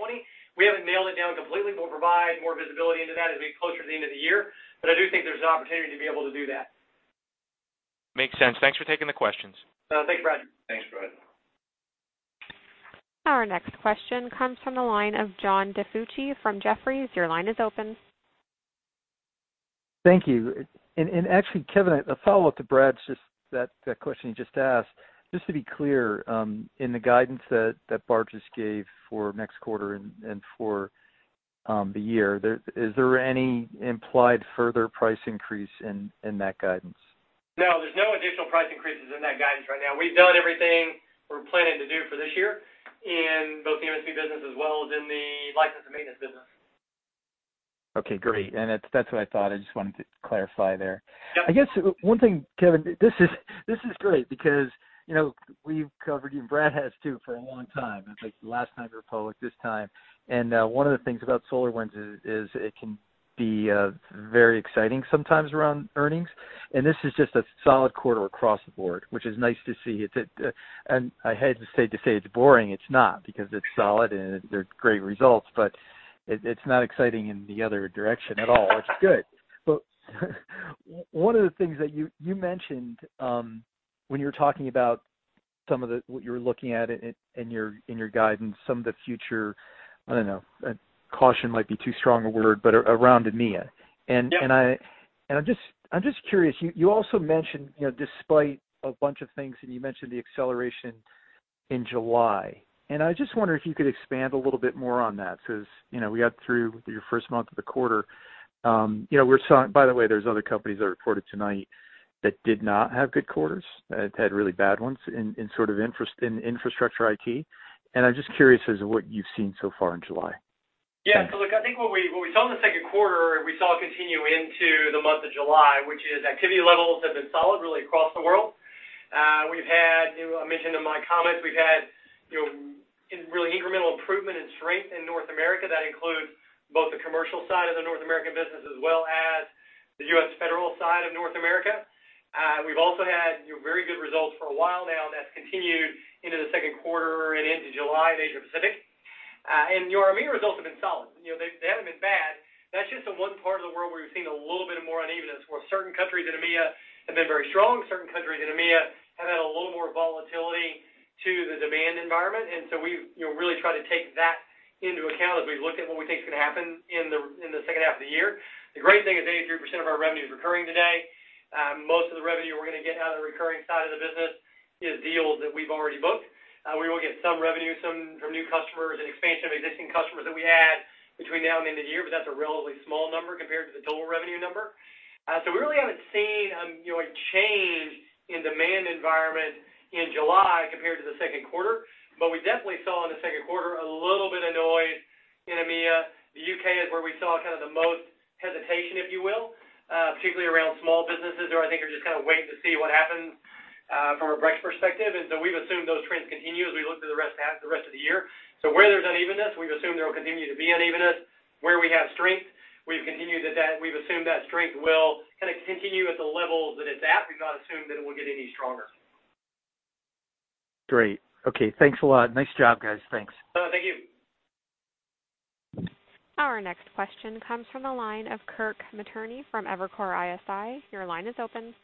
We haven't nailed it down completely, but we'll provide more visibility into that as we get closer to the end of the year. I do think there's an opportunity to be able to do that. Makes sense. Thanks for taking the questions. Thanks, Brad. Our next question comes from the line of John DiFucci from Jefferies. Your line is open. Thank you. Actually, Kevin, a follow-up to Brad's question he just asked. Just to be clear, in the guidance that Bart just gave for next quarter and for the year, is there any implied further price increase in that guidance? No, there's no additional price increases in that guidance right now. We've done everything we're planning to do for this year in both the MSP business as well as in the license and maintenance business. Okay, great. That's what I thought. I just wanted to clarify there. Yeah. I guess one thing, Kevin, this is great because we've covered you, Brad has too, for a long time. It's like the last time you were public, this time. One of the things about SolarWinds is it can be very exciting sometimes around earnings. This is just a solid quarter across the board, which is nice to see. I hate to say it's boring, it's not, because it's solid and they're great results. It's not exciting in the other direction at all, which is good. One of the things that you mentioned when you were talking about some of what you were looking at in your guidance, some of the future, I don't know, caution might be too strong a word, around EMEA. Yeah. I'm just curious, you also mentioned despite a bunch of things, and you mentioned the acceleration in July, and I just wonder if you could expand a little bit more on that because we got through your first month of the quarter. By the way, there's other companies that reported tonight that did not have good quarters, that had really bad ones in infrastructure IT. I'm just curious as to what you've seen so far in July. Yeah. Look, I think what we saw in the second quarter, we saw continue into the month of July, which is activity levels have been solid really across the world. I mentioned in my comments, we've had really incremental improvement and strength in North America. That includes both the commercial side of the North American business as well as the U.S. Federal side of North America. We've also had very good results for a while now. That's continued into the second quarter and into July in Asia Pacific. EMEA results have been solid. They haven't been bad. That's just the one part of the world where we've seen a little bit more unevenness where certain countries in EMEA have been very strong, certain countries in EMEA have had a little more volatility to the demand environment. We really try to take that into account as we look at what we think is going to happen in the second half of the year. The great thing is 83% of our revenue is recurring today. Most of the revenue we're going to get out of the recurring side of the business is deals that we've already booked. We will get some revenue from new customers and expansion of existing customers that we add between now and the end of the year, but that's a relatively small number compared to the total revenue number. We really haven't seen a change in demand environment in July compared to the second quarter, but we definitely saw in the second quarter a little bit of noise in EMEA. The U.K. is where we saw kind of the most hesitation, if you will, particularly around small businesses who I think are just kind of waiting to see what happens from a Brexit perspective. We've assumed those trends continue as we look to the rest of the year. Where there's unevenness, we've assumed there will continue to be unevenness. Where we have strength, we've assumed that strength will kind of continue at the levels that it's at. We've not assumed that it will get any stronger. Great. Okay, thanks a lot. Nice job, guys. Thanks. Thank you. Our next question comes from the line of Kirk Materne from Evercore ISI. Your line is open.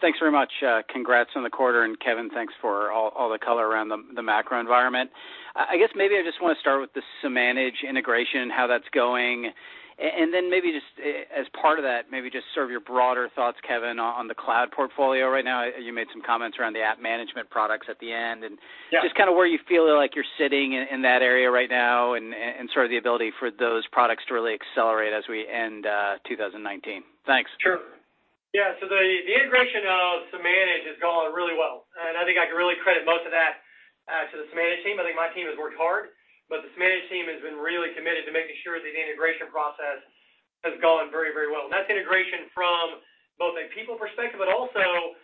Thanks very much. Congrats on the quarter. Kevin, thanks for all the color around the macro environment. I guess maybe I just want to start with the Samanage integration and how that's going. Then maybe just as part of that, maybe just sort of your broader thoughts, Kevin, on the cloud portfolio right now. You made some comments around the app management products at the end. Yeah. Just kind of where you feel like you're sitting in that area right now and sort of the ability for those products to really accelerate as we end 2019. Thanks. Sure. The integration of Samanage is going really well. I think I can really credit most of that to the Samanage team. I think my team has worked hard, but the Samanage team has been really committed to making sure that the integration process has gone very, very well. That's integration from both a people perspective, but also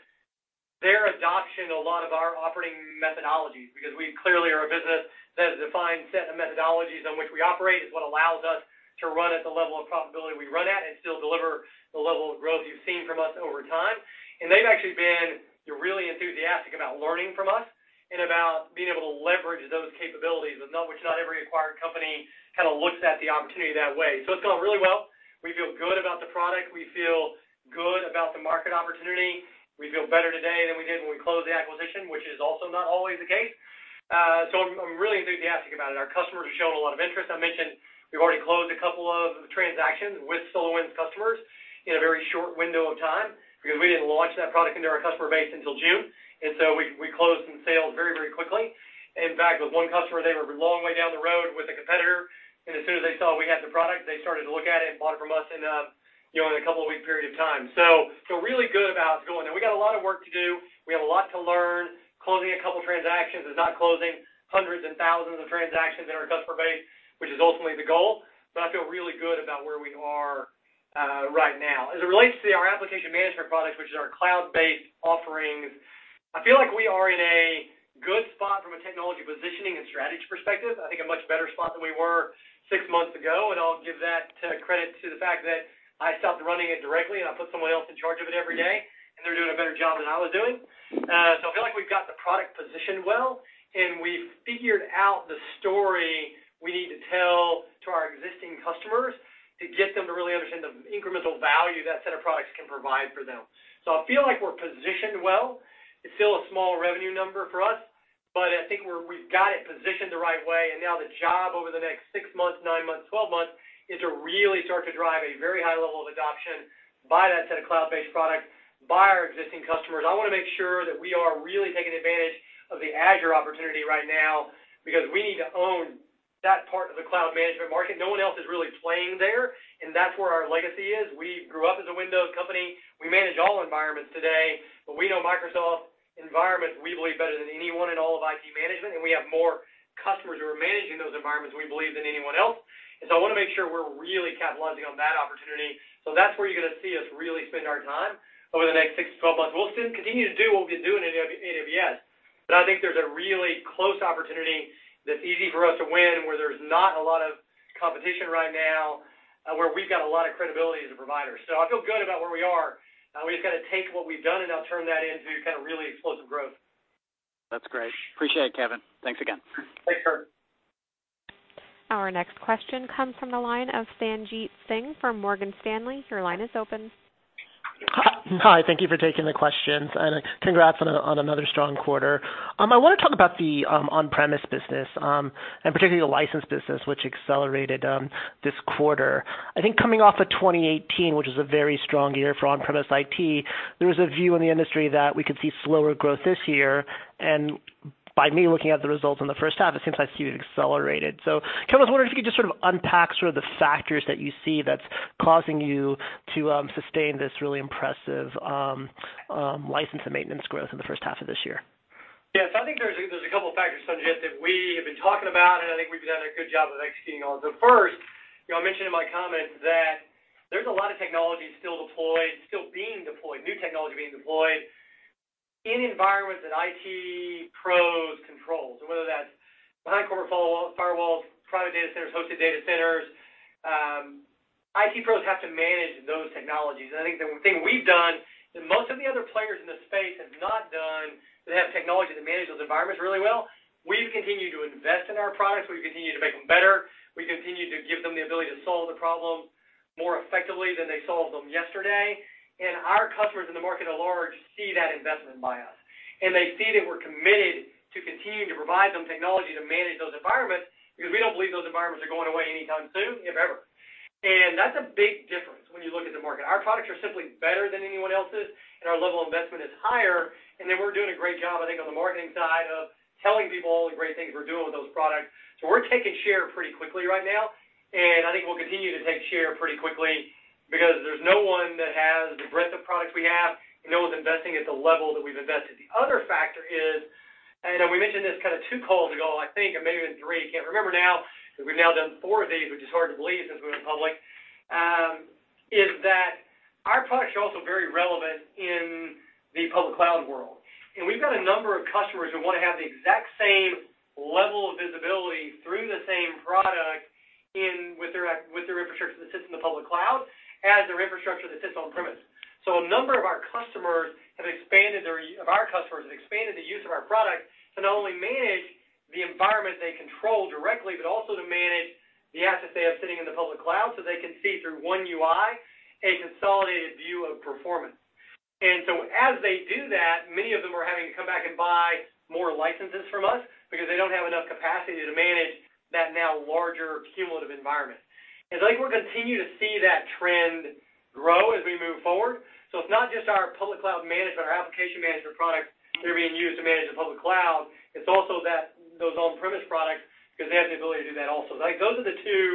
their adoption of a lot of our operating methodologies, because we clearly are a business that has a defined set of methodologies in which we operate. It's what allows us to run at the level of profitability we run at and still deliver the level of growth you've seen from us over time. They've actually been really enthusiastic about learning from us and about being able to leverage those capabilities, which not every acquired company kind of looks at the opportunity that way. It's going really well. We feel good about the product. We feel good about the market opportunity. We feel better today than we did when we closed the acquisition, which is also not always the case. I'm really enthusiastic about it. Our customers have shown a lot of interest. I mentioned we've already closed a couple of transactions with SolarWinds customers in a very short window of time because we didn't launch that product into our customer base until June. We closed some sales very quickly. In fact, with one customer, they were a long way down the road with a competitor, and as soon as they saw we had the product, they started to look at it and bought it from us in a couple of weeks period of time. Feel really good about how it's going. We got a lot of work to do. We have a lot to learn. Closing a couple of transactions is not closing hundreds and thousands of transactions in our customer base, which is ultimately the goal. I feel really good about where we are right now. As it relates to our application management products, which is our cloud-based offerings, I feel like we are in a good spot from a technology positioning and strategy perspective. I think a much better spot than we were six months ago, and I'll give that credit to the fact that I stopped running it directly and I put someone else in charge of it every day, and they're doing a better job than I was doing. I feel like we've got the product positioned well, and we've figured out the story we need to tell to our existing customers to get them to really understand the incremental value that set of products can provide for them. I feel like we're positioned well. It's still a small revenue number for us. I think we've got it positioned the right way. Now the job over the next six months, nine months, 12 months, is to really start to drive a very high level of adoption by that set of cloud-based products by our existing customers. I want to make sure that we are really taking advantage of the Azure opportunity right now because we need to own that part of the cloud management market. No one else is really playing there, and that's where our legacy is. We grew up as a Windows company. We manage all environments today. We know Microsoft environments, we believe, better than anyone in all of IT management, and we have more customers who are managing those environments, we believe, than anyone else. I want to make sure we're really capitalizing on that opportunity. That's where you're going to see us really spend our time over the next six to 12 months. We'll continue to do what we've been doing in AWS, but I think there's a really close opportunity that's easy for us to win, where there's not a lot of competition right now, where we've got a lot of credibility as a provider. I feel good about where we are. We've just got to take what we've done, and now turn that into kind of really explosive growth. That's great. Appreciate it, Kevin. Thanks again. Thanks, Kirk. Our next question comes from the line of Sanjit Singh from Morgan Stanley. Your line is open. Hi. Thank you for taking the questions, and congrats on another strong quarter. I want to talk about the on-premise business, and particularly the license business, which accelerated this quarter. I think coming off of 2018, which was a very strong year for on-premise IT, there was a view in the industry that we could see slower growth this year. By me looking at the results in the first half, it seems like you've accelerated. Kevin, I was wondering if you could just sort of unpack sort of the factors that you see that's causing you to sustain this really impressive license and maintenance growth in the first half of this year. Yes, I think there's a couple of factors, Sanjit, that we have been talking about, and I think we've done a good job of executing on. First, I mentioned in my comments that there's a lot of technology still deployed, still being deployed, new technology being deployed in environments that IT pros control. Whether that's behind corporate firewalls, private data centers, hosted data centers, IT pros have to manage those technologies. I think the thing we've done that most of the other players in this space have not done, that have technology to manage those environments really well, we've continued to invest in our products. We've continued to make them better. We've continued to give them the ability to solve the problem more effectively than they solved them yesterday. Our customers in the market at large see that investment by us, and they see that we're committed to continuing to provide them technology to manage those environments because we don't believe those environments are going away anytime soon, if ever. That's a big difference when you look at the market. Our products are simply better than anyone else's, and our level of investment is higher, and then we're doing a great job, I think, on the marketing side of telling people all the great things we're doing with those products. We're taking share pretty quickly right now, and I think we'll continue to take share pretty quickly because there's no one that has the breadth of products we have, and no one's investing at the level that we've invested. The other factor is, we mentioned this kind of two calls ago, I think, or maybe even three, I can't remember now, because we've now done four of these, which is hard to believe since we went public. Is that our products are also very relevant in the public cloud world. We've got a number of customers who want to have the exact same level of visibility through the same product in with their infrastructure that sits in the public cloud as their infrastructure that sits on-premise. A number of our customers have expanded the use of our product to not only manage the environment they control directly, but also to manage the assets they have sitting in the public cloud so they can see through one UI a consolidated view of performance. As they do that, many of them are having to come back and buy more licenses from us because they don't have enough capacity to manage that now larger cumulative environment. I think we're going to continue to see that trend grow as we move forward. It's not just our public cloud management, our application management products that are being used to manage the public cloud, it's also those on-premise products because they have the ability to do that also. Those are the two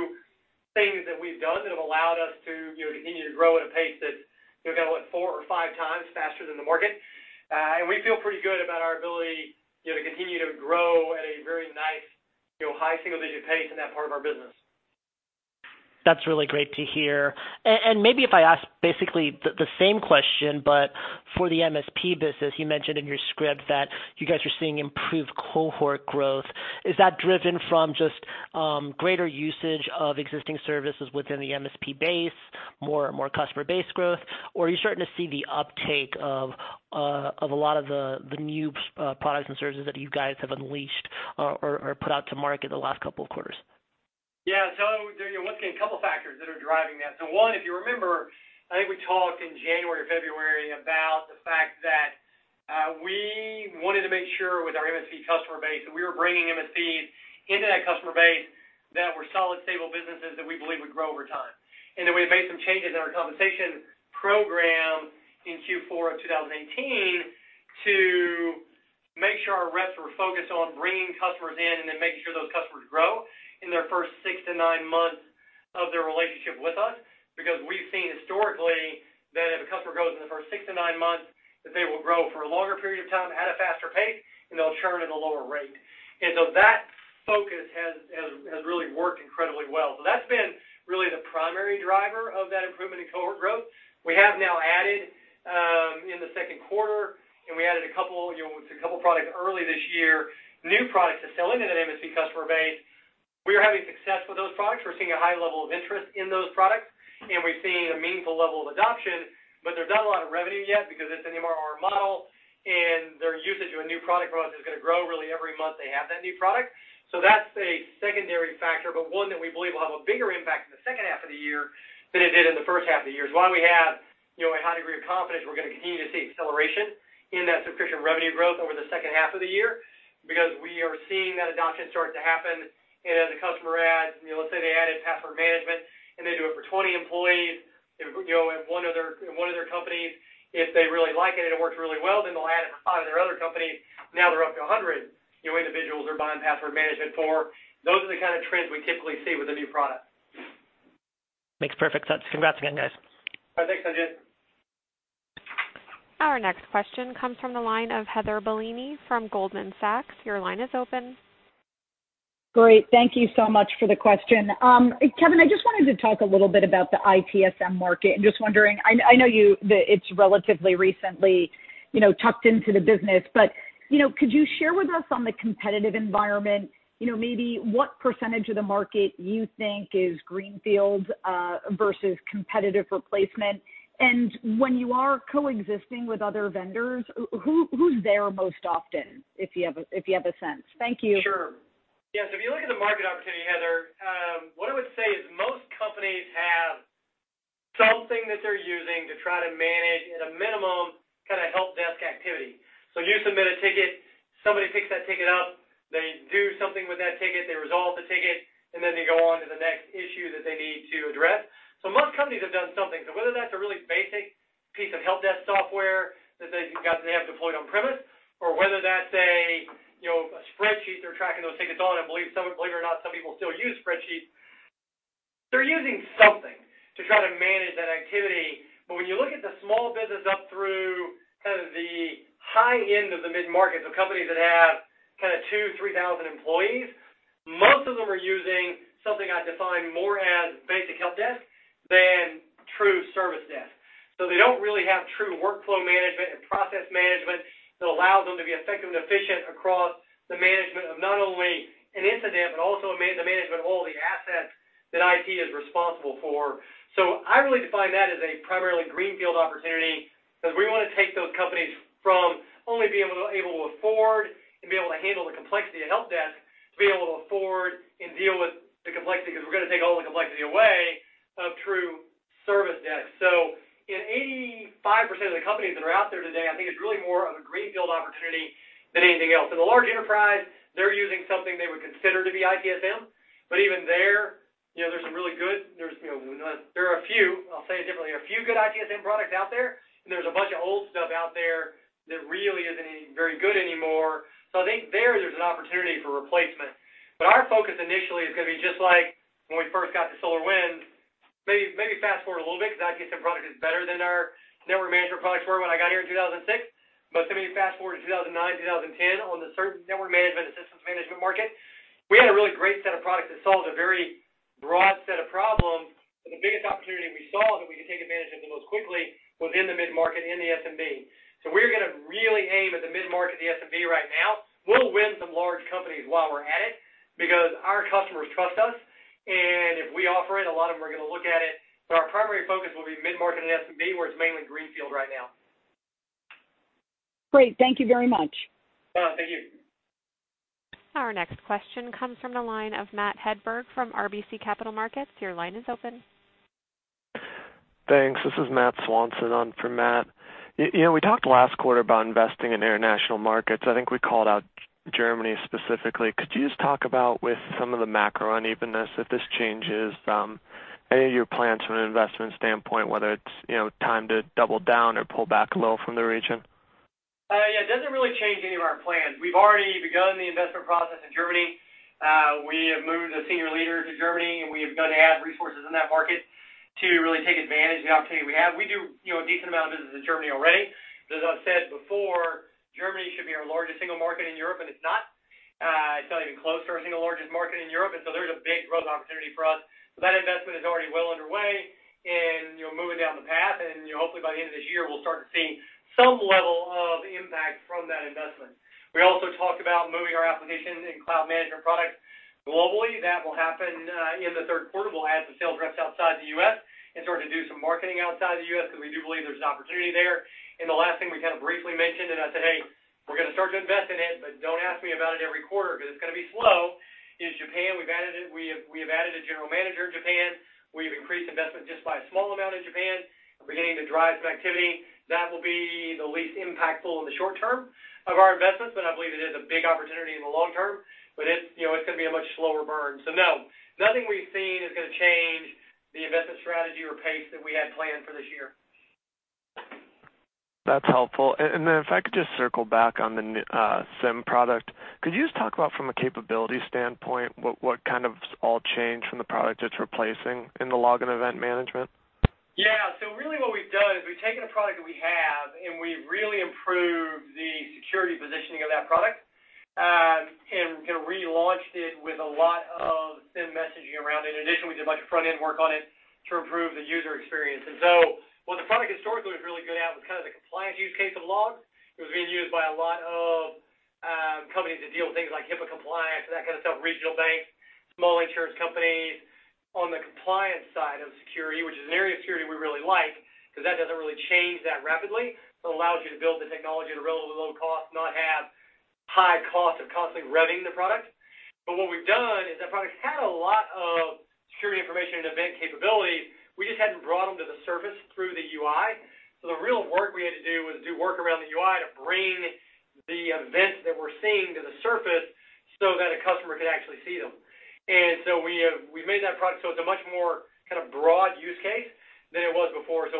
things that we've done that have allowed us to continue to grow at a pace that's kind of, what, four or five times faster than the market. We feel pretty good about our ability to continue to grow at a very nice high single-digit pace in that part of our business. That's really great to hear. Maybe if I ask basically the same question, but for the MSP business. You mentioned in your script that you guys are seeing improved cohort growth. Is that driven from just greater usage of existing services within the MSP base, more customer base growth? Or are you starting to see the uptake of a lot of the new products and services that you guys have unleashed or put out to market in the last couple of quarters? Yeah. There you're looking at a couple of factors that are driving that. One, if you remember, I think we talked in January or February about the fact that we wanted to make sure with our MSP customer base that we were bringing MSPs into that customer base that were solid, stable businesses that we believe would grow over time. Then we had made some changes in our compensation program in Q4 of 2018 to make sure our reps were focused on bringing customers in and then making sure those customers grow in their first six to nine months of their relationship with us. We've seen historically that if a customer grows in the first six to nine months, that they will grow for a longer period of time at a faster pace, and they'll churn at a lower rate. That focus has really worked incredibly well. That's been really the primary driver of that improvement in cohort growth. We have now added in the second quarter, and we added a couple products early this year, new products to sell into that MSP customer base. We are having success with those products. We're seeing a high level of interest in those products, and we're seeing a meaningful level of adoption, but there's not a lot of revenue yet because it's an MRR model, and their usage of a new product from us is going to grow really every month they have that new product. That's a secondary factor, but one that we believe will have a bigger impact in the second half of the year than it did in the first half of the year. As long as I have a high degree of confidence we're going to continue to see acceleration in that subscription revenue growth over the second half of the year because we are seeing that adoption start to happen. As a customer adds, let's say they added password management and they do it for 20 employees in one of their companies, if they really like it and it works really well, then they'll add it to five of their other companies. Now they're up to 100 individuals they're buying password management for. Those are the kind of trends we typically see with a new product. Makes perfect sense. Congrats again, guys. Oh, thanks, Sanjit. Our next question comes from the line of Heather Bellini from Goldman Sachs. Your line is open. Great. Thank you so much for the question. Kevin, I just wanted to talk a little bit about the ITSM market, and just wondering, I know that it's relatively recently tucked into the business, but could you share with us on the competitive environment? Maybe what % of the market you think is greenfield versus competitive replacement? When you are coexisting with other vendors, who's there most often, if you have a sense? Thank you. Sure. Yes. If you look at the market opportunity, Heather, what I would say is most companies have something that they're using to try to manage, at a minimum, kind of help desk activity. You submit a ticket, somebody picks that ticket up, they do something with that ticket, they resolve the ticket, and then they go on to the next issue that they need to address. Most companies have done something. Whether that's a really basic piece of help desk software that they have deployed on-premise or whether that's a spreadsheet they're tracking those tickets on, believe it or not, some people still use spreadsheets. They're using something to try to manage that activity. When you look at the small business up through kind of the high end of the mid-market, so companies that have kind of 2,000, 3,000 employees, most of them are using something I define more as basic help desk than true service desk. They don't really have true workflow management and process management that allows them to be effective and efficient across the management of not only an incident, but also the management of all the assets that IT is responsible for. I really define that as a primarily greenfield opportunity because we want to take those companies from only being able to afford and be able to handle the complexity of help desk, to be able to afford and deal with the complexity, because we're going to take all the complexity away of true service desk. In 85% of the companies that are out there today, I think it's really more of a greenfield opportunity than anything else. In the large enterprise, they're using something they would consider to be ITSM, but even there are a few, I'll say it differently, a few good ITSM products out there, and there's a bunch of old stuff out there that really isn't any good anymore. I think there's an opportunity for replacement. Our focus initially is going to be just like when we first got to SolarWinds. Maybe fast-forward a little bit because the ITSM product is better than our network management products were when I got here in 2006. Maybe fast-forward to 2009, 2010, on the network management assistance management market, we had a really great set of products that solved a very broad set of problems, but the biggest opportunity we saw that we could take advantage of the most quickly was in the mid-market, in the SMB. We're going to really aim at the mid-market, the SMB right now. We'll win some large companies while we're at it because our customers trust us, and if we offer it, a lot of them are going to look at it. Our primary focus will be mid-market and SMB, where it's mainly greenfield right now. Great. Thank you very much. Thank you. Our next question comes from the line of Matt Hedberg from RBC Capital Markets. Your line is open. Thanks. This is Matt Swanson on for Matt. We talked last quarter about investing in international markets. I think we called out Germany specifically. Could you just talk about with some of the macro unevenness, if this changes any of your plans from an investment standpoint, whether it's time to double down or pull back a little from the region? It doesn't really change any of our plans. We've already begun the investment process in Germany. We have moved a senior leader to Germany, and we have gone to add resources in that market to really take advantage of the opportunity we have. We do a decent amount of business in Germany already. As I've said before, Germany should be our largest single market in Europe, and it's not. It's not even close to our single largest market in Europe, there is a big growth opportunity for us. That investment is already well underway and moving down the path, and hopefully by the end of this year, we'll start to see some level of impact from that investment. We also talked about moving our application and cloud management product globally. That will happen in the third quarter. We'll add some sales reps outside the U.S. and start to do some marketing outside the U.S. because we do believe there's an opportunity there. The last thing we kind of briefly mentioned, and I said, "Hey, we're going to start to invest in it, but don't ask me about it every quarter because it's going to be slow," is Japan. We have added a general manager in Japan. We've increased investment just by a small amount in Japan. We're beginning to drive some activity. That will be the least impactful in the short term of our investments, but I believe it is a big opportunity in the long term. It's going to be a much slower burn. No, nothing we've seen is going to change the investment strategy or pace that we had planned for this year. That's helpful. If I could just circle back on the SIEM product. Could you just talk about from a capability standpoint, what kind of all changed from the product it's replacing in the log and event management? Yeah. Really what we've done is we've taken a product that we have, and we've really improved the security positioning of that product, and kind of relaunched it with a lot of SIEM messaging around it. In addition, we did a bunch of front-end work on it to improve the user experience. What the product historically was really good at was kind of the compliance use case of logs. It was being used by a lot of companies to deal with things like HIPAA compliance and that kind of stuff, regional banks, small insurance companies on the compliance side of security, which is an area of security we really like because that doesn't really change that rapidly. It allows you to build the technology at a relatively low cost, not have high cost of constantly revving the product. What we've done is that product had a lot of security information and event capabilities. We just hadn't brought them to the surface through the UI. The real work we had to do was do work around the UI to bring the events that we're seeing to the surface so that a customer could actually see them. We made that product so it's a much more kind of broad use case than it was before. It's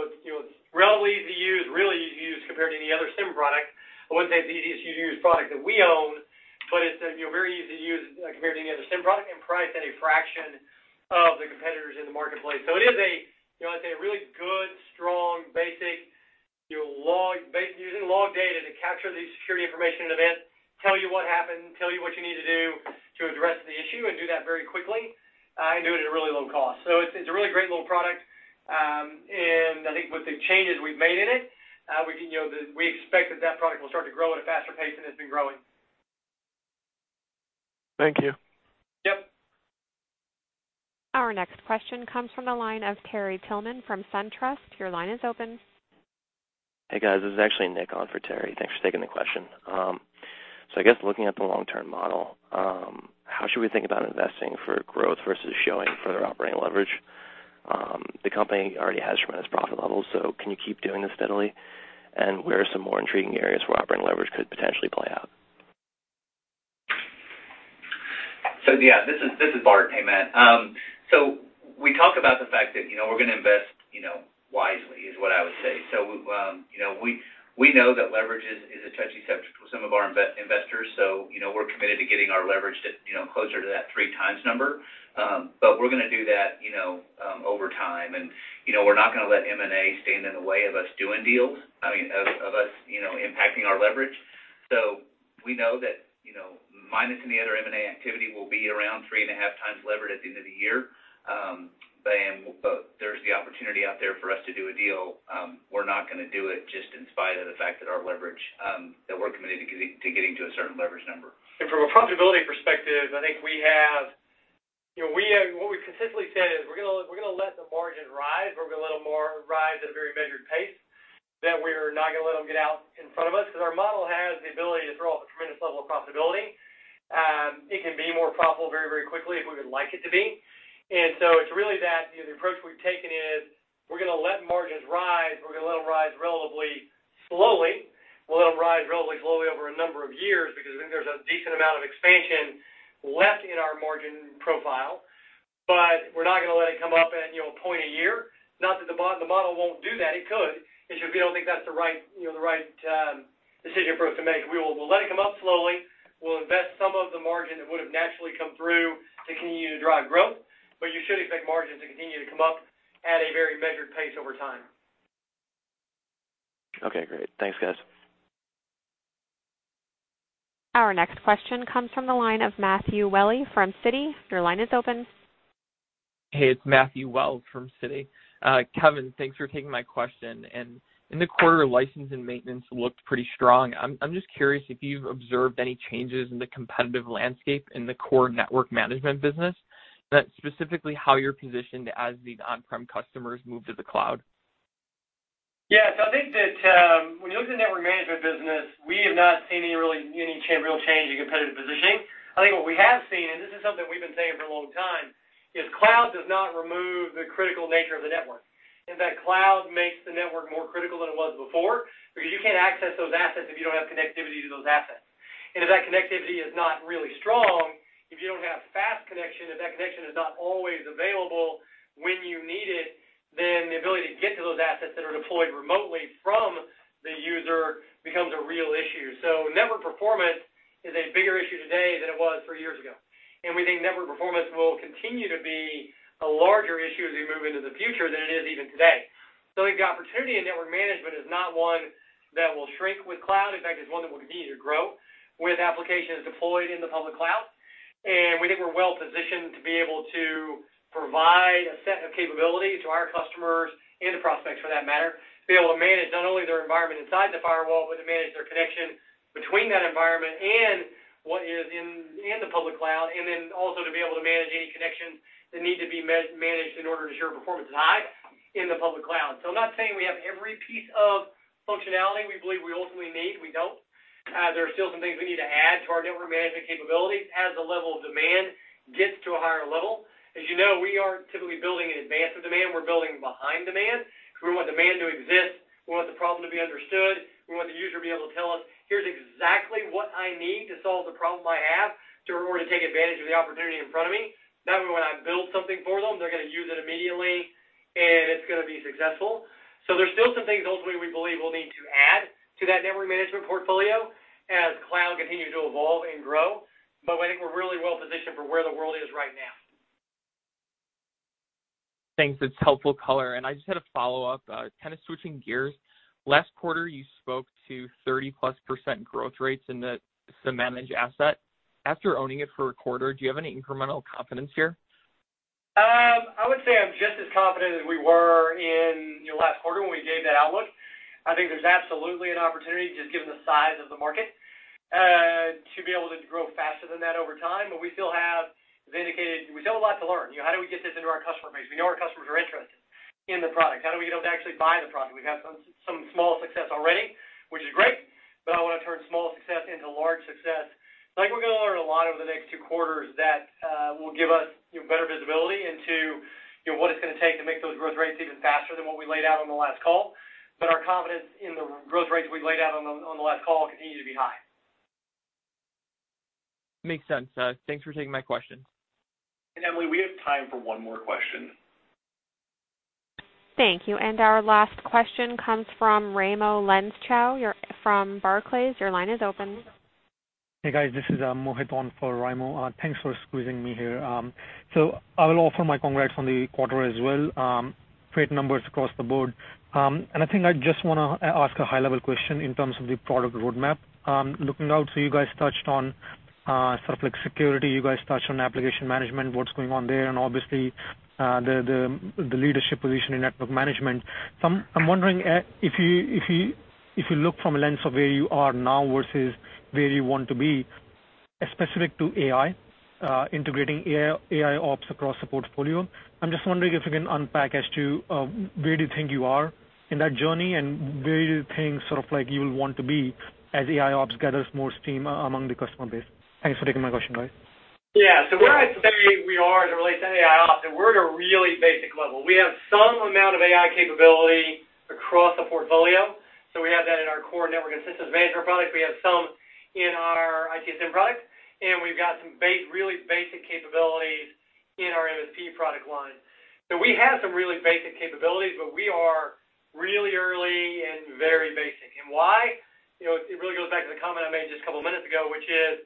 relatively easy to use, really easy to use compared to any other SIEM product. I wouldn't say it's the easiest to use product that we own, but it's very easy to use compared to any other SIEM product and priced at a fraction of the competitors in the marketplace. It is a, I'd say, a really good, strong, basic using log data to capture the security information and event, tell you what happened, tell you what you need to do to address the issue, and do that very quickly, and do it at a really low cost. It's a really great little product. I think with the changes we've made in it, we expect that product will start to grow at a faster pace than it's been growing. Thank you. Yep. Our next question comes from the line of Terry Tillman from SunTrust. Your line is open. Hey, guys. This is actually Nick on for Terry. Thanks for taking the question. I guess looking at the long-term model, how should we think about investing for growth versus showing further operating leverage? The company already has tremendous profit levels, so can you keep doing this steadily? Where are some more intriguing areas where operating leverage could potentially play out? Yeah, this is Bart. Hey, Matt. We talk about the fact that we're going to invest wisely is what I would say. We know that leverage is a touchy subject with some of our investors. We're committed to getting our leverage to closer to that 3 times number. We're going to do that over time. We're not going to let M&A stand in the way of us doing deals, I mean, of us impacting our leverage. We know that minus any other M&A activity, we'll be around 3 and a half times leverage at the end of the year. There's the opportunity out there for us to do a deal. We're not going to do it just in spite of the fact that we're committed to getting to a certain leverage number. From a profitability perspective, I think what we've consistently said is we're going to let the margins rise. We're going to let them rise at a very measured pace, that we're not going to let them get out in front of us because our model has the ability to throw off a tremendous level of profitability. It can be more profitable very quickly if we would like it to be. It's really that the approach we've taken is we're going to let margins rise. We're going to let them rise relatively slowly. We'll let them rise relatively slowly over a number of years because I think there's a decent amount of expansion left in our margin profile. We're not going to let it come up at one point a year. Not that the model won't do that. It could. It's just we don't think that's the right decision for us to make. We'll let it come up slowly. We'll invest some of the margin that would have naturally come through to continue to drive growth. You should expect margins to continue to come up at a very measured pace over time. Okay, great. Thanks, guys. Our next question comes from the line of Matthew Wells from Citi. Your line is open. Hey, it's Matthew Wells from Citi. Kevin, thanks for taking my question. In the quarter, license and maintenance looked pretty strong. I'm just curious if you've observed any changes in the competitive landscape in the core network management business, and specifically how you're positioned as the on-prem customers move to the cloud. Yeah. I think that when you look at the network management business, we have not seen any real change in competitive positioning. I think what we have seen, and this is something we've been saying for a long time, is cloud does not remove the critical nature of the network. In fact, cloud makes the network more critical than it was before because you can't access those assets if you don't have connectivity to those assets. If that connectivity is not really strong, if you don't have fast connection, if that connection is not always available when you need it, then the ability to get to those assets that are deployed remotely from the user becomes a real issue. Network performance is a bigger issue today than it was three years ago, and we think network performance will continue to be a larger issue as we move into the future than it is even today. I think the opportunity in network management is not one that will shrink with cloud. In fact, it's one that will continue to grow with applications deployed in the public cloud. We think we're well-positioned to be able to provide a set of capabilities to our customers and the prospects for that matter, to be able to manage not only their environment inside the firewall, but to manage their connection between that environment and what is in the public cloud, and then also to be able to manage any connections that need to be managed in order to ensure performance is high in the public cloud. I'm not saying we have every piece of functionality we believe we ultimately need. We don't. There are still some things we need to add to our network management capabilities as the level of demand gets to a higher level. As you know, we aren't typically building in advance of demand. We're building behind demand because we want demand to exist. We want the problem to be understood. We want the user to be able to tell us, "Here's exactly what I need to solve the problem I have in order to take advantage of the opportunity in front of me." That way, when I build something for them, they're going to use it immediately, and it's going to be successful. There's still some things ultimately we believe we'll need to add to that network management portfolio as cloud continues to evolve and grow. I think we're really well-positioned for where the world is right now. Thanks. That's helpful color. I just had a follow-up, kind of switching gears. Last quarter, you spoke to 30-plus% growth rates in the Samanage asset. After owning it for a quarter, do you have any incremental confidence here? I would say I'm just as confident as we were in last quarter when we gave that outlook. I think there's absolutely an opportunity, just given the size of the market, to be able to grow faster than that over time. As indicated, we still have a lot to learn. How do we get this into our customer base? We know our customers are interested in the product. How do we get them to actually buy the product? We've had some small success already, which is great, but I want to turn small success into large success. I think we're going to learn a lot over the next two quarters that will give us better visibility into what it's going to take to make those growth rates even faster than what we laid out on the last call. Our confidence in the growth rates we laid out on the last call continue to be high. Makes sense. Thanks for taking my question. Emily, we have time for one more question. Thank you. Our last question comes from Raimo Lenschow from Barclays. Your line is open. Hey, guys. This is Mohit on for Raimo. Thanks for squeezing me here. I will offer my congrats on the quarter as well. Great numbers across the board. I think I just want to ask a high-level question in terms of the product roadmap. Looking out, you guys touched on sort of like security, you guys touched on application management, what's going on there, and obviously, the leadership position in network management. I'm wondering if you look from a lens of where you are now versus where you want to be, specific to AI, integrating AIOps across the portfolio, I'm just wondering if you can unpack as to where do you think you are in that journey and where do you think sort of like you'll want to be as AIOps gathers more steam among the customer base? Thanks for taking my question, guys. Yeah. Where I'd say we are as it relates to AIOps, and we're at a really basic level. We have some amount of AI capability across the portfolio. We have that in our core network and systems management product. We have some in our ITSM product, and we've got some really basic capabilities in our MSP product line. We have some really basic capabilities, but we are really early and very basic. Why? It really goes back to the comment I made just a couple of minutes ago, which is,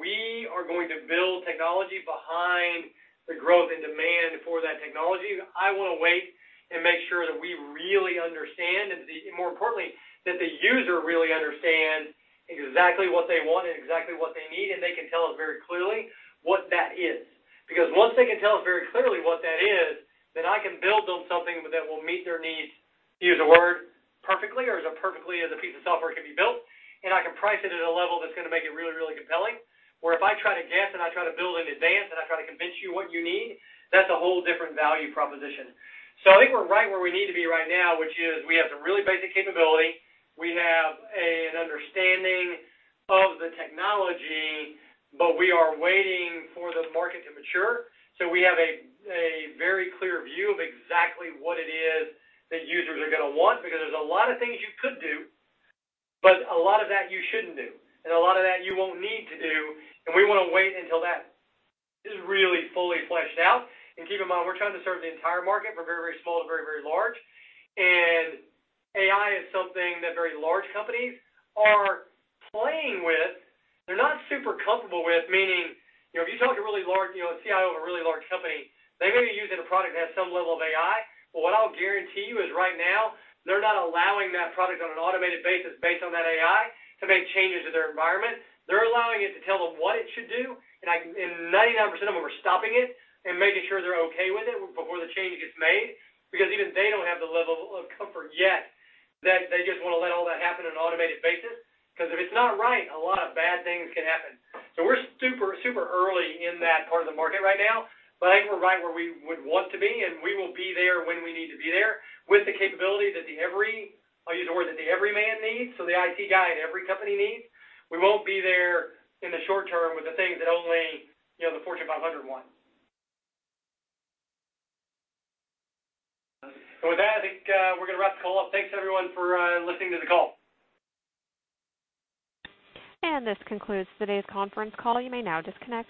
we are going to build technology behind the growth and demand for that technology. I want to wait and make sure that we really understand, and more importantly, that the user really understand exactly what they want and exactly what they need, and they can tell us very clearly what that is. Once they can tell us very clearly what that is, then I can build them something that will meet their needs, to use a word, perfectly or as perfectly as a piece of software can be built, and I can price it at a level that's going to make it really, really compelling. Where if I try to guess, and I try to build in advance, and I try to convince you what you need, that's a whole different value proposition. I think we're right where we need to be right now, which is we have some really basic capability. We have an understanding of the technology, but we are waiting for the market to mature. We have a very clear view of exactly what it is that users are going to want because there's a lot of things you could do, but a lot of that you shouldn't do, and a lot of that you won't need to do, and we want to wait until that is really fully fleshed out. Keep in mind, we're trying to serve the entire market from very, very small to very, very large. AI is something that very large companies are playing with. They're not super comfortable with, meaning, if you talk to a CIO of a really large company, they may be using a product that has some level of AI. What I'll guarantee you is right now, they're not allowing that product on an automated basis based on that AI to make changes to their environment. They're allowing it to tell them what it should do. 99% of them are stopping it and making sure they're okay with it before the change gets made, because even they don't have the level of comfort yet that they just want to let all that happen on an automated basis. If it's not right, a lot of bad things can happen. We're super early in that part of the market right now, but I think we're right where we would want to be, and we will be there when we need to be there with the capability that the every, I'll use the word that the everyman needs, so the IT guy at every company needs. We won't be there in the short term with the things that only the Fortune 500 wants. With that, I think we're going to wrap the call up. Thanks everyone for listening to the call. This concludes today's conference call. You may now disconnect.